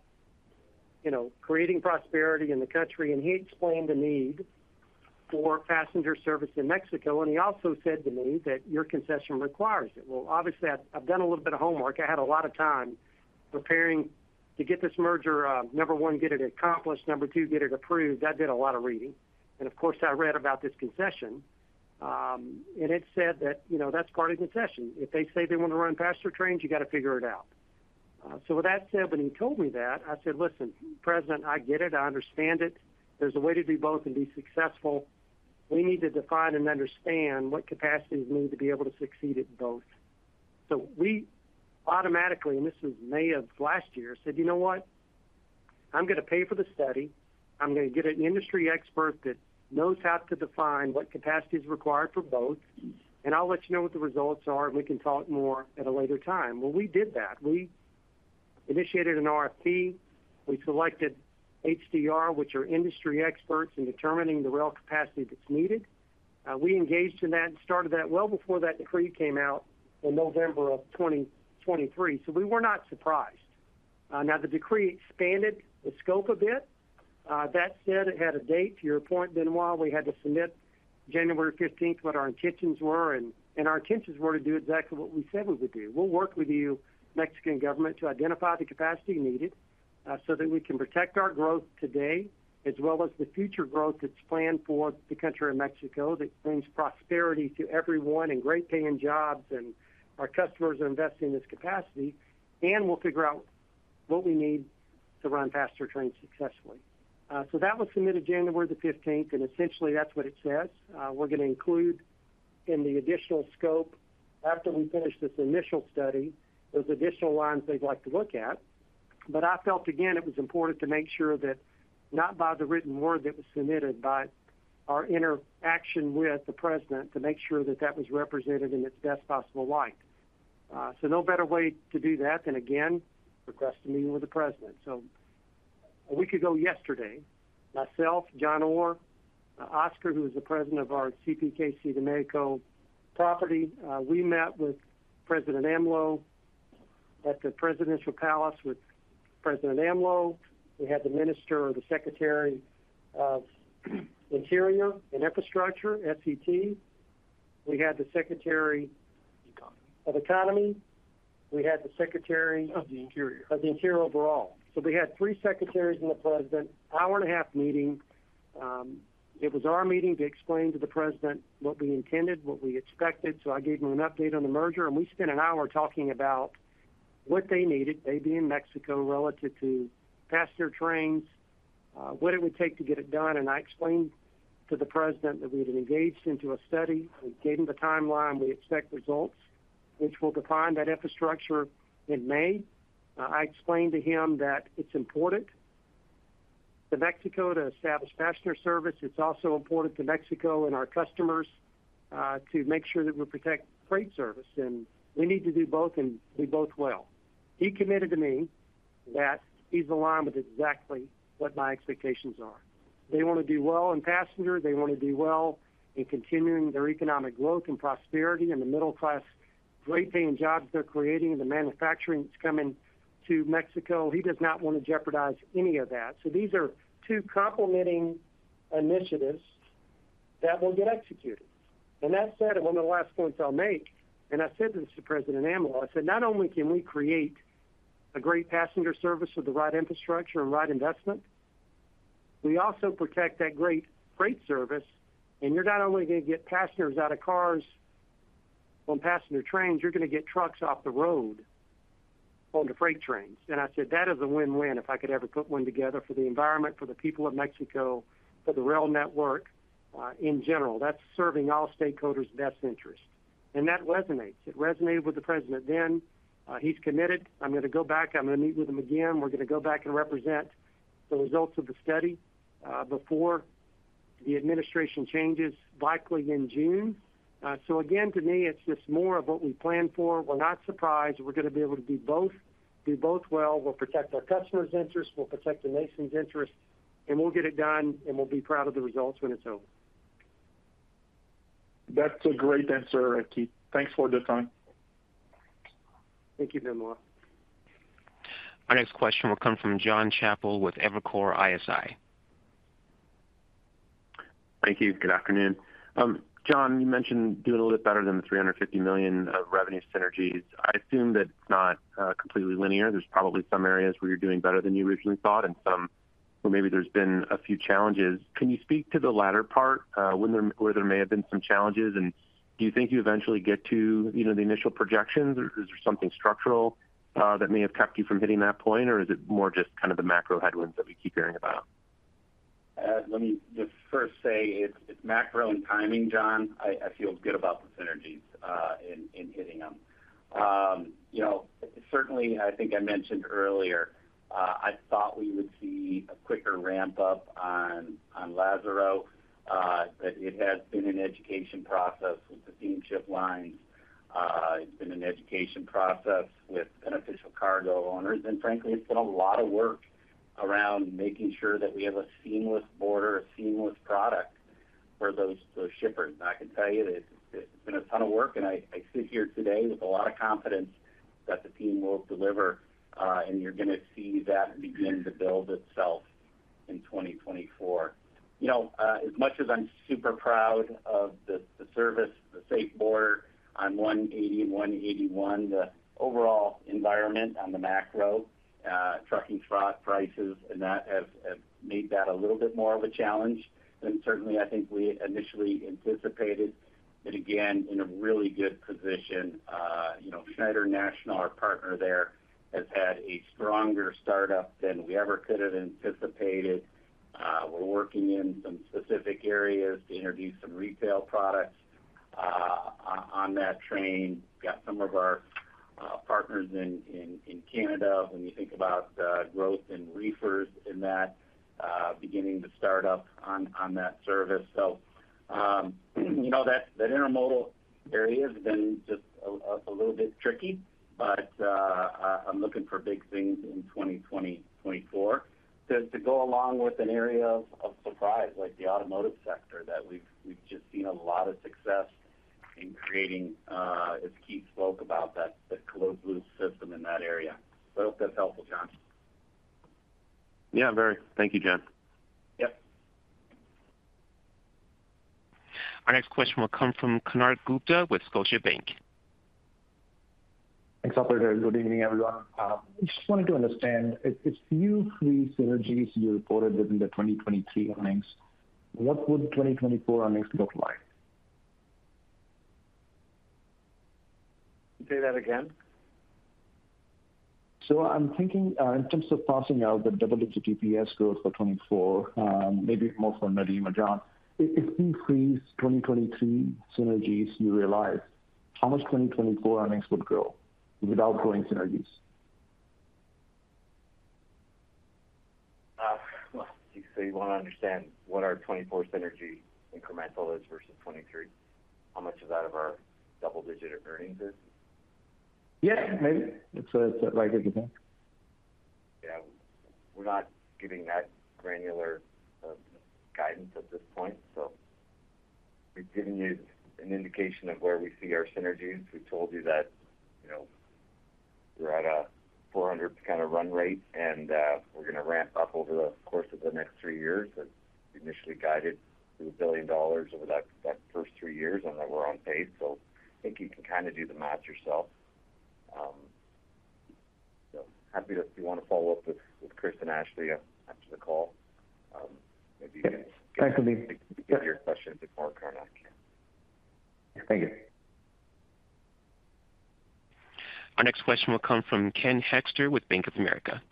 you know, creating prosperity in the country, and he explained the need for passenger service in Mexico, and he also said to me that your concession requires it. Well, obviously, I've done a little bit of homework. I had a lot of time preparing to get this merger, number one, get it accomplished, number two, get it approved. I did a lot of reading, and of course, I read about this concession, and it said that, you know, that's part of the concession. If they say they want to run passenger trains, you got to figure it out. So with that said, when he told me that, I said, "Listen, President, I get it, I understand it. There's a way to do both and be successful. We need to define and understand what capacities we need to be able to succeed at both." So we automatically, and this is May of last year, said, "You know what? I'm going to pay for the study. I'm going to get an industry expert that knows how to define what capacity is required for both, and I'll let you know what the results are, and we can talk more at a later time." Well, we did that. We initiated an RFP. We selected HDR, which are industry experts in determining the rail capacity that's needed. We engaged in that and started that well before that decree came out in November 2023. So we were not surprised. Now, the decree expanded the scope a bit. That said, it had a date, to your point, Benoit, we had to submit January 15th, what our intentions were, and, and our intentions were to do exactly what we said we would do. We'll work with you, Mexican government, to identify the capacity needed, so that we can protect our growth today, as well as the future growth that's planned for the country of Mexico, that brings prosperity to everyone and great-paying jobs, and our customers are investing in this capacity. And we'll figure out what we need to run passenger trains successfully. So that was submitted January the fifteenth, and essentially, that's what it says. We're going to include in the additional scope, after we finish this initial study, those additional lines they'd like to look at. But I felt, again, it was important to make sure that not by the written word that was submitted, but our interaction with the president, to make sure that that was represented in its best possible light. So no better way to do that than, again, request a meeting with the president. So a week ago yesterday, myself, John Orr, Oscar, who is the president of our CPKC de México property, we met with President AMLO at the Presidential Palace, with President AMLO. We had the Minister or the Secretary of Interior and Infrastructure, SCT. We had the Secretary- Economy Of Economy. We had the Secretary- Of the Interior. Of the Interior, overall. So we had three secretaries and the president, a one and half-hour meeting. It was our meeting to explain to the president what we intended, what we expected. So I gave him an update on the merger, and we spent one hour talking about what they needed, they being Mexico, relative to passenger trains, what it would take to get it done, and I explained to the president that we had engaged into a study. I gave him the timeline. We expect results, which will define that infrastructure, in May. I explained to him that it's important to Mexico to establish passenger service. It's also important to Mexico and our customers, to make sure that we protect freight service, and we need to do both, and do both well. He committed to me that he's aligned with exactly what my expectations are. They want to do well in passenger. They want to do well in continuing their economic growth and prosperity in the middle class, great-paying jobs they're creating, and the manufacturing that's coming to Mexico. He does not want to jeopardize any of that. So these are two complementing initiatives that will get executed. And that said, and one of the last points I'll make, and I said this to President AMLO, I said, "Not only can we create a great passenger service with the right infrastructure and right investment, we also protect that great freight service, and you're not only going to get passengers out of cars on passenger trains, you're going to get trucks off the road on the freight trains." And I said, "That is a win-win, if I could ever put one together for the environment, for the people of Mexico, for the rail network, in general. That's serving all stakeholders' best interest." And that resonates. It resonated with the president then. He's committed. I'm going to go back, I'm going to meet with him again. We're going to go back and represent the results of the study, before the administration changes, likely in June. So again, to me, it's just more of what we planned for. We're not surprised. We're going to be able to do both, do both well. We'll protect our customers' interests, we'll protect the nation's interests, and we'll get it done, and we'll be proud of the results when it's over. That's a great answer, Keith. Thanks for the time. Thank you, Benoit. Our next question will come from John Chappell with Evercore ISI. Thank you. Good afternoon. John, you mentioned doing a little bit better than the $350 million of revenue synergies. I assume that's not completely linear. There's probably some areas where you're doing better than you originally thought, and some where maybe there's been a few challenges. Can you speak to the latter part, where there may have been some challenges, and do you think you eventually get to, you know, the initial projections? Or is there something structural that may have kept you from hitting that point, or is it more just kind of the macro headwinds that we keep hearing about? Let me just first say, it's macro and timing, John. I feel good about the synergies and hitting them. You know, certainly, I think I mentioned earlier, I thought we would see a quicker ramp-up on Lázaro, but it has been an education process with the steamship lines. It's been an education process with beneficial cargo owners, and frankly, it's been a lot of work around making sure that we have a seamless border, a seamless product for those shippers. And I can tell you that it's been a ton of work, and I sit here today with a lot of confidence that the team will deliver, and you're going to see that begin to build itself in 2024. You know, as much as I'm super proud of the service, the safe border on 180 and 181, the overall environment on the macro, trucking fuel prices, and that have made that a little bit more of a challenge than certainly I think we initially anticipated. But again, in a really good position. You know, Schneider National, our partner there, has had a stronger start-up than we ever could have anticipated. We're working in some specific areas to introduce some retail products on that train. Got some of our partners in Canada, when you think about growth in reefers in that beginning to start up on that service. So, you know, that intermodal area has been just a little bit tricky, but I'm looking for big things in 2024. To go along with an area of surprise, like the automotive sector, that we've just seen a lot of success- ... in creating, as Keith spoke about that, the closed loop system in that area. So I hope that's helpful, John. Yeah, very. Thank you, John. Yep. Our next question will come from Konark Gupta with Scotiabank. Thanks, operator. Good evening, everyone. Just wanted to understand, if you increase synergies you reported within the 2023 earnings, what would 2024 earnings look like? Say that again? So I'm thinking, in terms of passing out the double-digit EPS growth for 2024, maybe more for Nadeem or John. If, if increased 2023 synergies you realize, how much 2024 earnings would grow without growing synergies? So you want to understand what our 2024 synergy incremental is versus 2023? How much of that of our double-digit earnings is? Yeah, maybe. If so, is that right? What you think? Yeah. We're not giving that granular guidance at this point. So we've given you an indication of where we see our synergies. We've told you that, you know, we're at a 400 kind of run rate, and we're gonna ramp up over the course of the next three years. As we initially guided to $1 billion over that first three years, and then we're on pace. So I think you can kinda do the math yourself. So happy to—if you want to follow up with Chris and Ashley after the call, maybe- Yeah. Thank you, Nadeem. Get your questions before Konark. Thank you. Our next question will come from Ken Hoexter with Bank of America.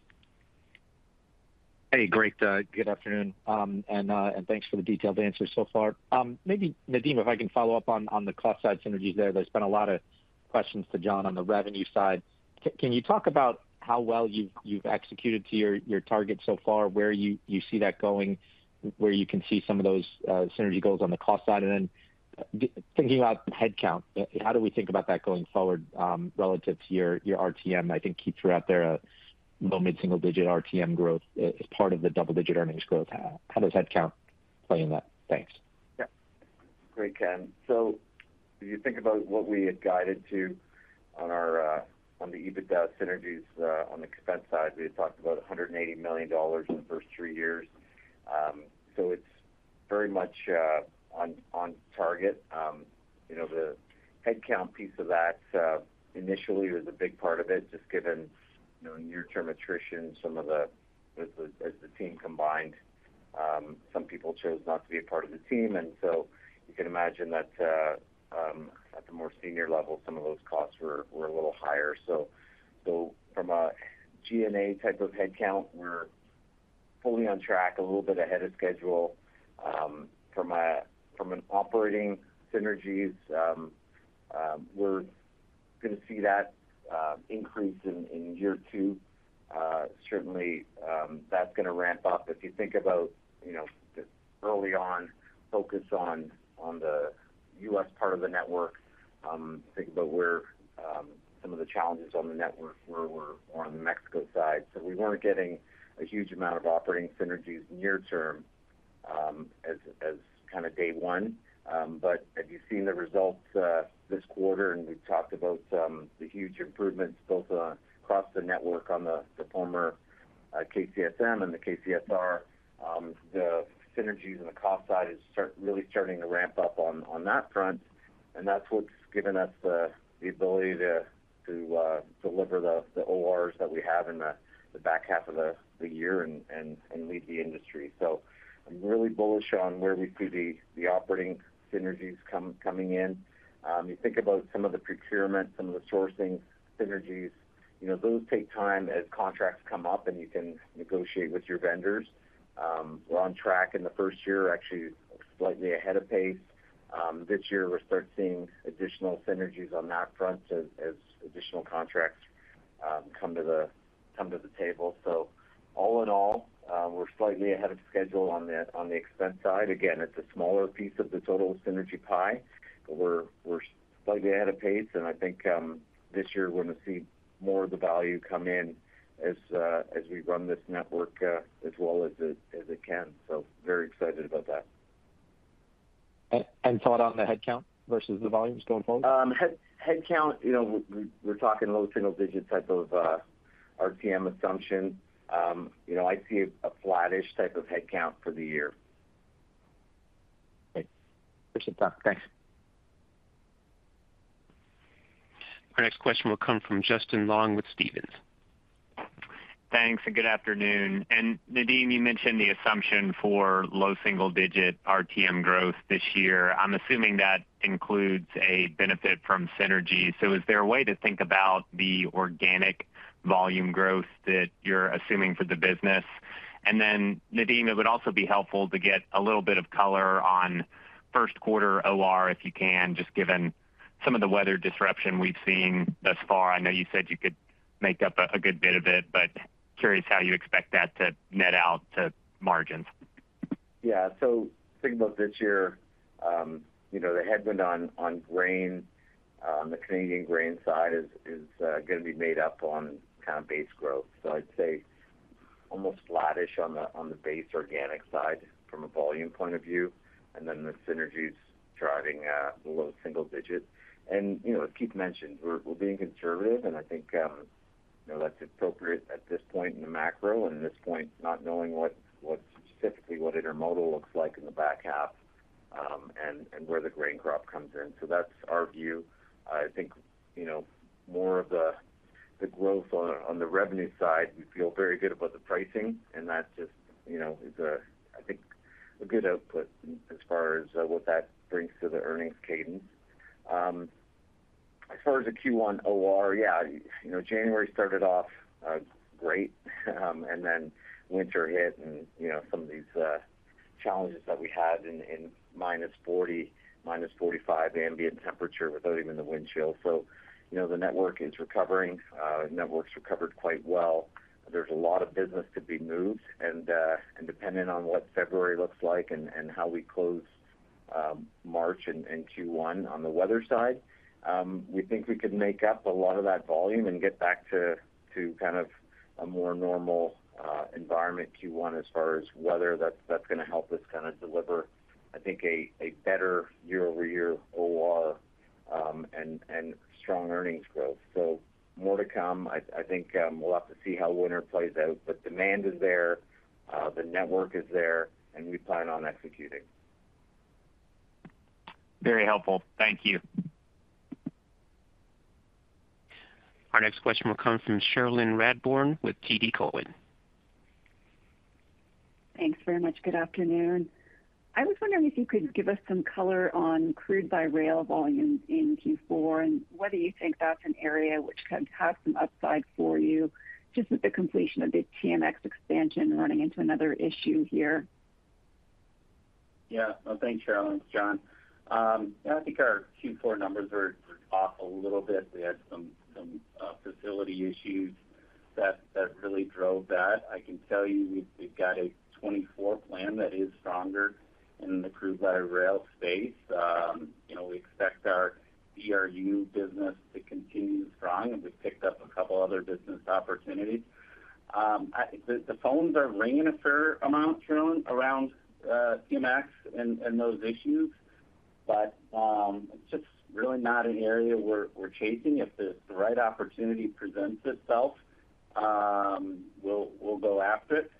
Hey, great, good afternoon, and thanks for the detailed answers so far. Maybe Nadeem, if I can follow up on the cost side synergies there. There's been a lot of questions to John on the revenue side. Can you talk about how well you've executed to your target so far, where you see that going, where you can see some of those synergy goals on the cost side? And then, thinking about headcount, how do we think about that going forward, relative to your RTM? I think Keith threw out there a low mid-single digit RTM growth as part of the double-digit earnings growth. How does headcount play in that? Thanks. Yeah. Great, Ken. So if you think about what we had guided to on our, on the EBITDA synergies, on the expense side, we had talked about $180 million in the first three years. So it's very much on target. You know, the headcount piece of that initially was a big part of it, just given, you know, near-term attrition, as the team combined, some people chose not to be a part of the team. And so you can imagine that at the more senior level, some of those costs were a little higher. So from a G&A type of headcount, we're fully on track, a little bit ahead of schedule. From an operating synergies, we're gonna see that increase in year two. Certainly, that's gonna ramp up. If you think about, you know, the early on focus on the U.S. part of the network, think about where some of the challenges on the network were more on the Mexico side. So we weren't getting a huge amount of operating synergies near term, as kinda day one. But as you've seen the results this quarter, and we've talked about the huge improvements both across the network on the former KCSM and the KCSR, the synergies on the cost side are really starting to ramp up on that front, and that's what's given us the ability to deliver the ORs that we have in the back half of the year and lead the industry. So I'm really bullish on where we see the operating synergies coming in. You think about some of the procurement, some of the sourcing synergies, you know, those take time as contracts come up and you can negotiate with your vendors. We're on track in the first year, actually slightly ahead of pace. This year, we'll start seeing additional synergies on that front as additional contracts come to the table. So all in all, we're slightly ahead of schedule on the expense side. Again, it's a smaller piece of the total synergy pie, but we're slightly ahead of pace, and I think this year, we're gonna see more of the value come in as we run this network as well as it can. So very excited about that. Any thought on the headcount versus the volumes going forward? Headcount, you know, we're talking low single digit type of RTM assumption. You know, I see a flattish type of headcount for the year. Okay. Appreciate the time. Thanks. Our next question will come from Justin Long with Stephens. Thanks, and good afternoon. And Nadeem, you mentioned the assumption for low single digit RTM growth this year. I'm assuming that includes a benefit from synergy. So is there a way to think about the organic volume growth that you're assuming for the business? And then, Nadeem, it would also be helpful to get a little bit of color on first quarter OR, if you can, just given some of the weather disruption we've seen thus far. I know you said you could make up a good bit of it, but curious how you expect that to net out to margins. Yeah. So think about this year, you know, the headwind on grain, the Canadian grain side is gonna be made up on kind of base growth. So I'd say almost flattish on the base organic side from a volume point of view, and then the synergies driving low single digits. And, you know, as Keith mentioned, we're being conservative, and I think, you know, that's appropriate at this point in the macro, and at this point, not knowing what specifically intermodal looks like in the back half, and where the grain crop comes in. So that's our view. I think, you know, more of the, the growth on, on the revenue side, we feel very good about the pricing, and that just, you know, is a, I think, a good output as far as, what that brings to the earnings cadence. As far as the Q1 OR, yeah, you know, January started off, great, and then winter hit, and, you know, some of these, challenges that we had in, in -40, -45 ambient temperature without even the wind chill. So, you know, the network is recovering, the network's recovered quite well. There's a lot of business to be moved, and, and depending on what February looks like and, and how we close, March and, and Q1 on the weather side, we think we could make up a lot of that volume and get back to, to kind of a more normal, environment Q1, as far as weather. That's, that's gonna help us deliver, I think, a, a better year-over-year OR, and, and strong earnings growth. So more to come. I, I think, we'll have to see how winter plays out, but demand is there, the network is there, and we plan on executing. Very helpful. Thank you. Our next question will come from Cherilyn Radbourne with TD Cowen. Thanks very much. Good afternoon. I was wondering if you could give us some color on crude by rail volumes in Q4, and whether you think that's an area which can have some upside for you, just with the completion of the TMX expansion running into another issue here? Yeah. Well, thanks, Cherilyn. It's John. I think our Q4 numbers were off a little bit. We had some facility issues that really drove that. I can tell you, we've got a 2024 plan that is stronger in the crude by rail space. You know, we expect our DRU business to continue strong, and we've picked up a couple other business opportunities. The phones are ringing a fair amount, Cherilyn, around TMX and those issues, but it's just really not an area we're chasing. If the right opportunity presents itself, we'll go after it.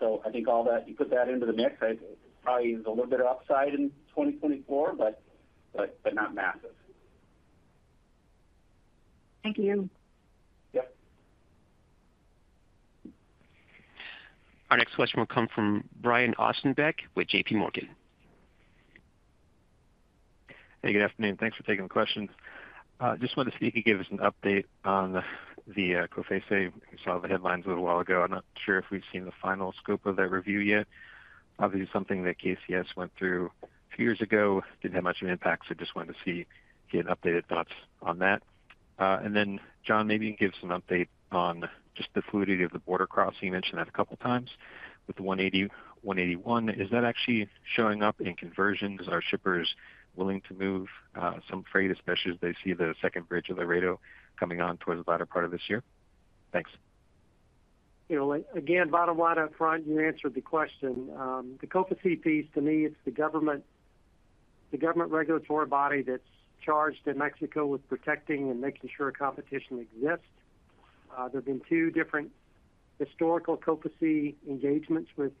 So I think all that, you put that into the mix, probably is a little bit of upside in 2024, but not massive. Thank you. Yep. Our next question will come from Brian Ossenbeck with JP Morgan. Hey, good afternoon. Thanks for taking the questions. Just wanted to see if you could give us an update on the COFECE. We saw the headlines a little while ago. I'm not sure if we've seen the final scope of that review yet. Obviously, something that KCS went through a few years ago, didn't have much of an impact, so just wanted to see, get updated thoughts on that. And then, John, maybe give us an update on just the fluidity of the border crossing. You mentioned that a couple of times with the 180, 181. Is that actually showing up in conversions? Are shippers willing to move some freight, especially as they see the second bridge of Laredo coming on towards the latter part of this year? Thanks. You know, again, bottom line up front, you answered the question. The COFECE, to me, it's the government, the government regulatory body that's charged in Mexico with protecting and making sure competition exists. There have been two different historical COFECE engagements with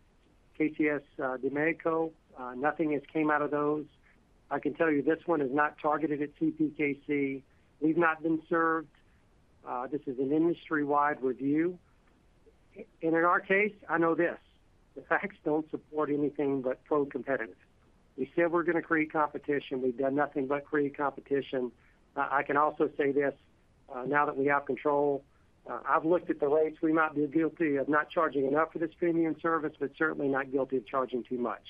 KCS de México. Nothing has came out of those. I can tell you this one is not targeted at CPKC. We've not been served. This is an industry-wide review. And in our case, I know this, the facts don't support anything but pro-competitive. We said we're going to create competition. We've done nothing but create competition. I can also say this, now that we have control, I've looked at the rates. We might be guilty of not charging enough for this premium service, but certainly not guilty of charging too much.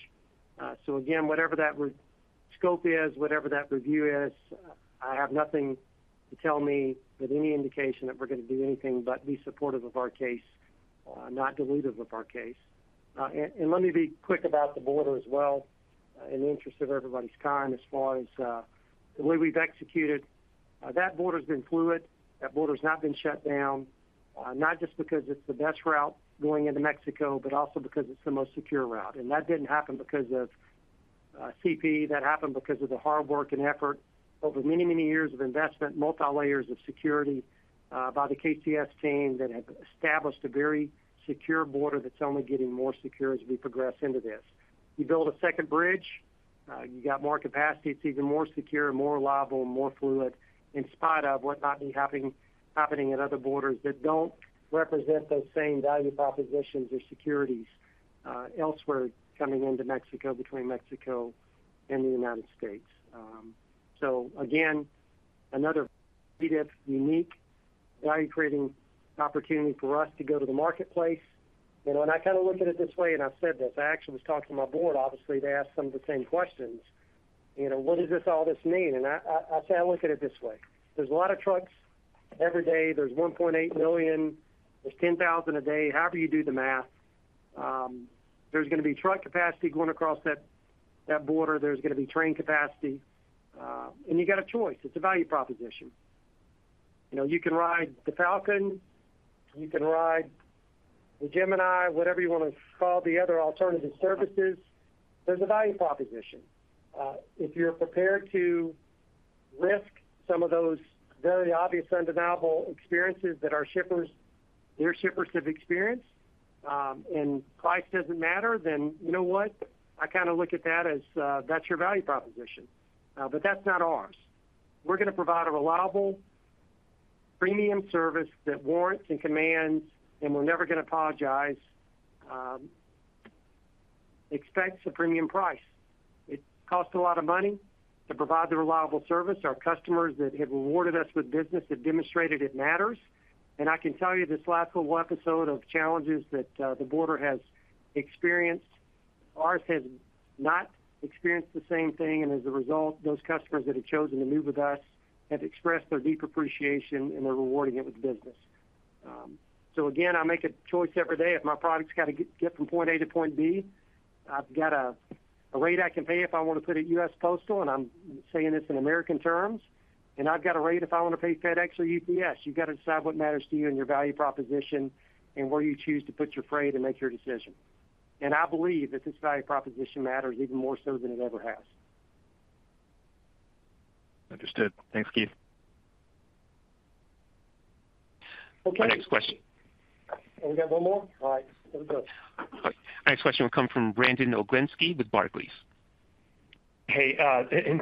So again, whatever that rescope is, whatever that review is, I have nothing to tell me that any indication that we're going to do anything but be supportive of our case, not dilutive of our case. And let me be quick about the border as well, in the interest of everybody's time, as far as the way we've executed. That border's been fluid. That border's not been shut down, not just because it's the best route going into Mexico, but also because it's the most secure route. That didn't happen because of CP. That happened because of the hard work and effort over many, many years of investment, multi-layers of security, by the KCS team that have established a very secure border that's only getting more secure as we progress into this. You build a second bridge, you got more capacity. It's even more secure, more reliable, more fluid, in spite of what might be happening, happening at other borders that don't represent those same value propositions or securities, elsewhere coming into Mexico, between Mexico and the United States. So again, another unique value-creating opportunity for us to go to the marketplace. You know, and I kind of look at it this way, and I've said this, I actually was talking to my board, obviously, they asked some of the same questions. You know, "What does this all this mean?" And I say I look at it this way: there's a lot of trucks every day. There's 1.8 million, there's 10,000 a day. However you do the math, there's gonna be truck capacity going across that border, there's gonna be train capacity, and you got a choice. It's a value proposition. You know, you can ride the Falcon, you can ride the Gemini, whatever you want to call the other alternative services. There's a value proposition. If you're prepared to risk some of those very obvious, undeniable experiences that our shippers, your shippers have experienced, and price doesn't matter, then you know what? I kind of look at that as, that's your value proposition. But that's not ours. We're going to provide a reliable, premium service that warrants and commands, and we're never going to apologize, expects a premium price. It costs a lot of money to provide the reliable service. Our customers that have rewarded us with business have demonstrated it matters. I can tell you, this last little episode of challenges that the border has experienced, ours has not experienced the same thing, and as a result, those customers that have chosen to move with us have expressed their deep appreciation, and they're rewarding it with business. So again, I make a choice every day. If my product's got to get, get from point A to point B, I've got a, a rate I can pay if I want to put a U.S. Postal, and I'm saying this in American terms, and I've got a rate if I want to pay FedEx or UPS. You've got to decide what matters to you and your value proposition and where you choose to put your freight and make your decision. And I believe that this value proposition matters even more so than it ever has. Understood. Thanks, Keith. Okay. Our next question- We got one more? All right, here we go. Our next question will come from Brandon Oglenski with Barclays. Hey,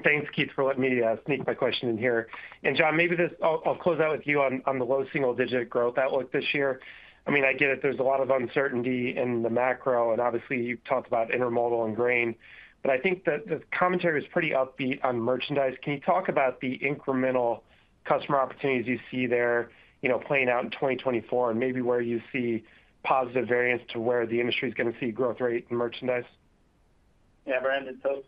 thanks, Keith, for letting me sneak my question in here. John, maybe this, I'll, I'll close out with you on the low single-digit growth outlook this year. I mean, I get it, there's a lot of uncertainty in the macro, and obviously, you've talked about intermodal and grain, but I think that the commentary is pretty upbeat on merchandise. Can you talk about the incremental customer opportunities you see there, you know, playing out in 2024 and maybe where you see positive variance to where the industry is going to see growth rate in merchandise? Yeah, Brandon, so,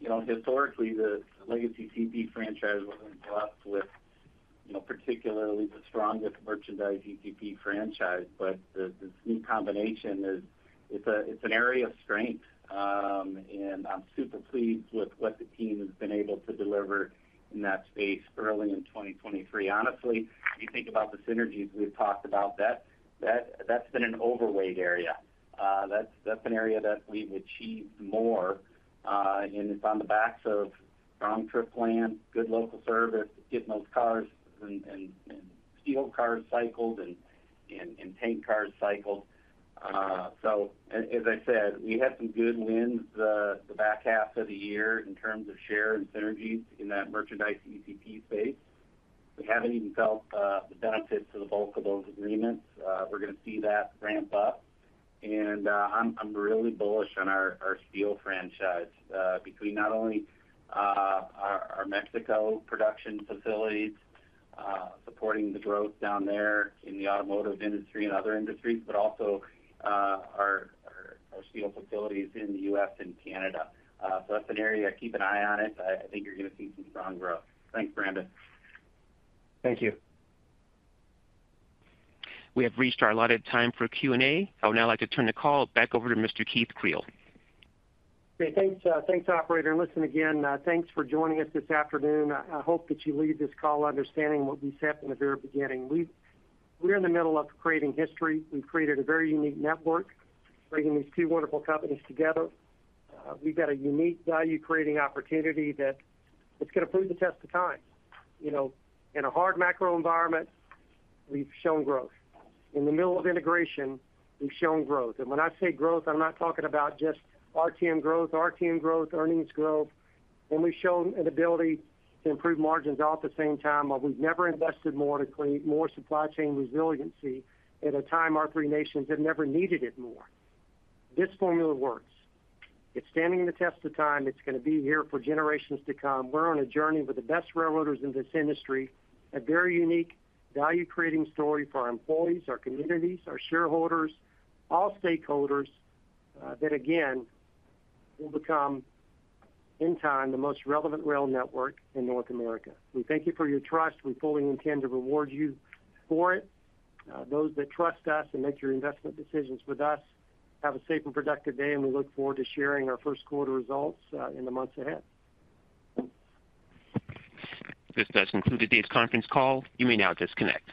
you know, historically, the legacy CP franchise wasn't blessed with, you know, particularly the strongest merchandise ECP franchise, but this new combination is, it's an area of strength. And I'm super pleased with what the team has been able to deliver in that space early in 2023. Honestly, if you think about the synergies we've talked about, that's been an overweight area. That's an area that we've achieved more, and it's on the backs of strong trip plan, good local service, getting those cars and steel cars cycled and tank cars cycled. So as I said, we had some good wins the back half of the year in terms of share and synergies in that merchandise ECP space. We haven't even felt the benefits of the bulk of those agreements. We're going to see that ramp up, and I'm really bullish on our steel franchise between not only our Mexico production facilities supporting the growth down there in the automotive industry and other industries, but also our steel facilities in the U.S. and Canada. So that's an area, keep an eye on it. I think you're going to see some strong growth. Thanks, Brandon. Thank you. We have reached our allotted time for Q&A. I would now like to turn the call back over to Mr. Keith Creel. Great. Thanks, thanks, operator. And listen, again, thanks for joining us this afternoon. I hope that you leave this call understanding what we said in the very beginning. We're in the middle of creating history. We've created a very unique network, bringing these two wonderful companies together. We've got a unique value-creating opportunity that is going to prove the test of time. You know, in a hard macro environment, we've shown growth. In the middle of integration, we've shown growth. And when I say growth, I'm not talking about just RTM growth, RTM growth, earnings growth. And we've shown an ability to improve margins all at the same time, while we've never invested more to create more supply chain resiliency at a time our three nations have never needed it more. This formula works. It's standing the test of time. It's going to be here for generations to come. We're on a journey with the best railroaders in this industry, a very unique value-creating story for our employees, our communities, our shareholders, all stakeholders, that again, will become, in time, the most relevant rail network in North America. We thank you for your trust. We fully intend to reward you for it, those that trust us and make your investment decisions with us. Have a safe and productive day, and we look forward to sharing our first quarter results, in the months ahead. This does conclude today's conference call. You may now disconnect.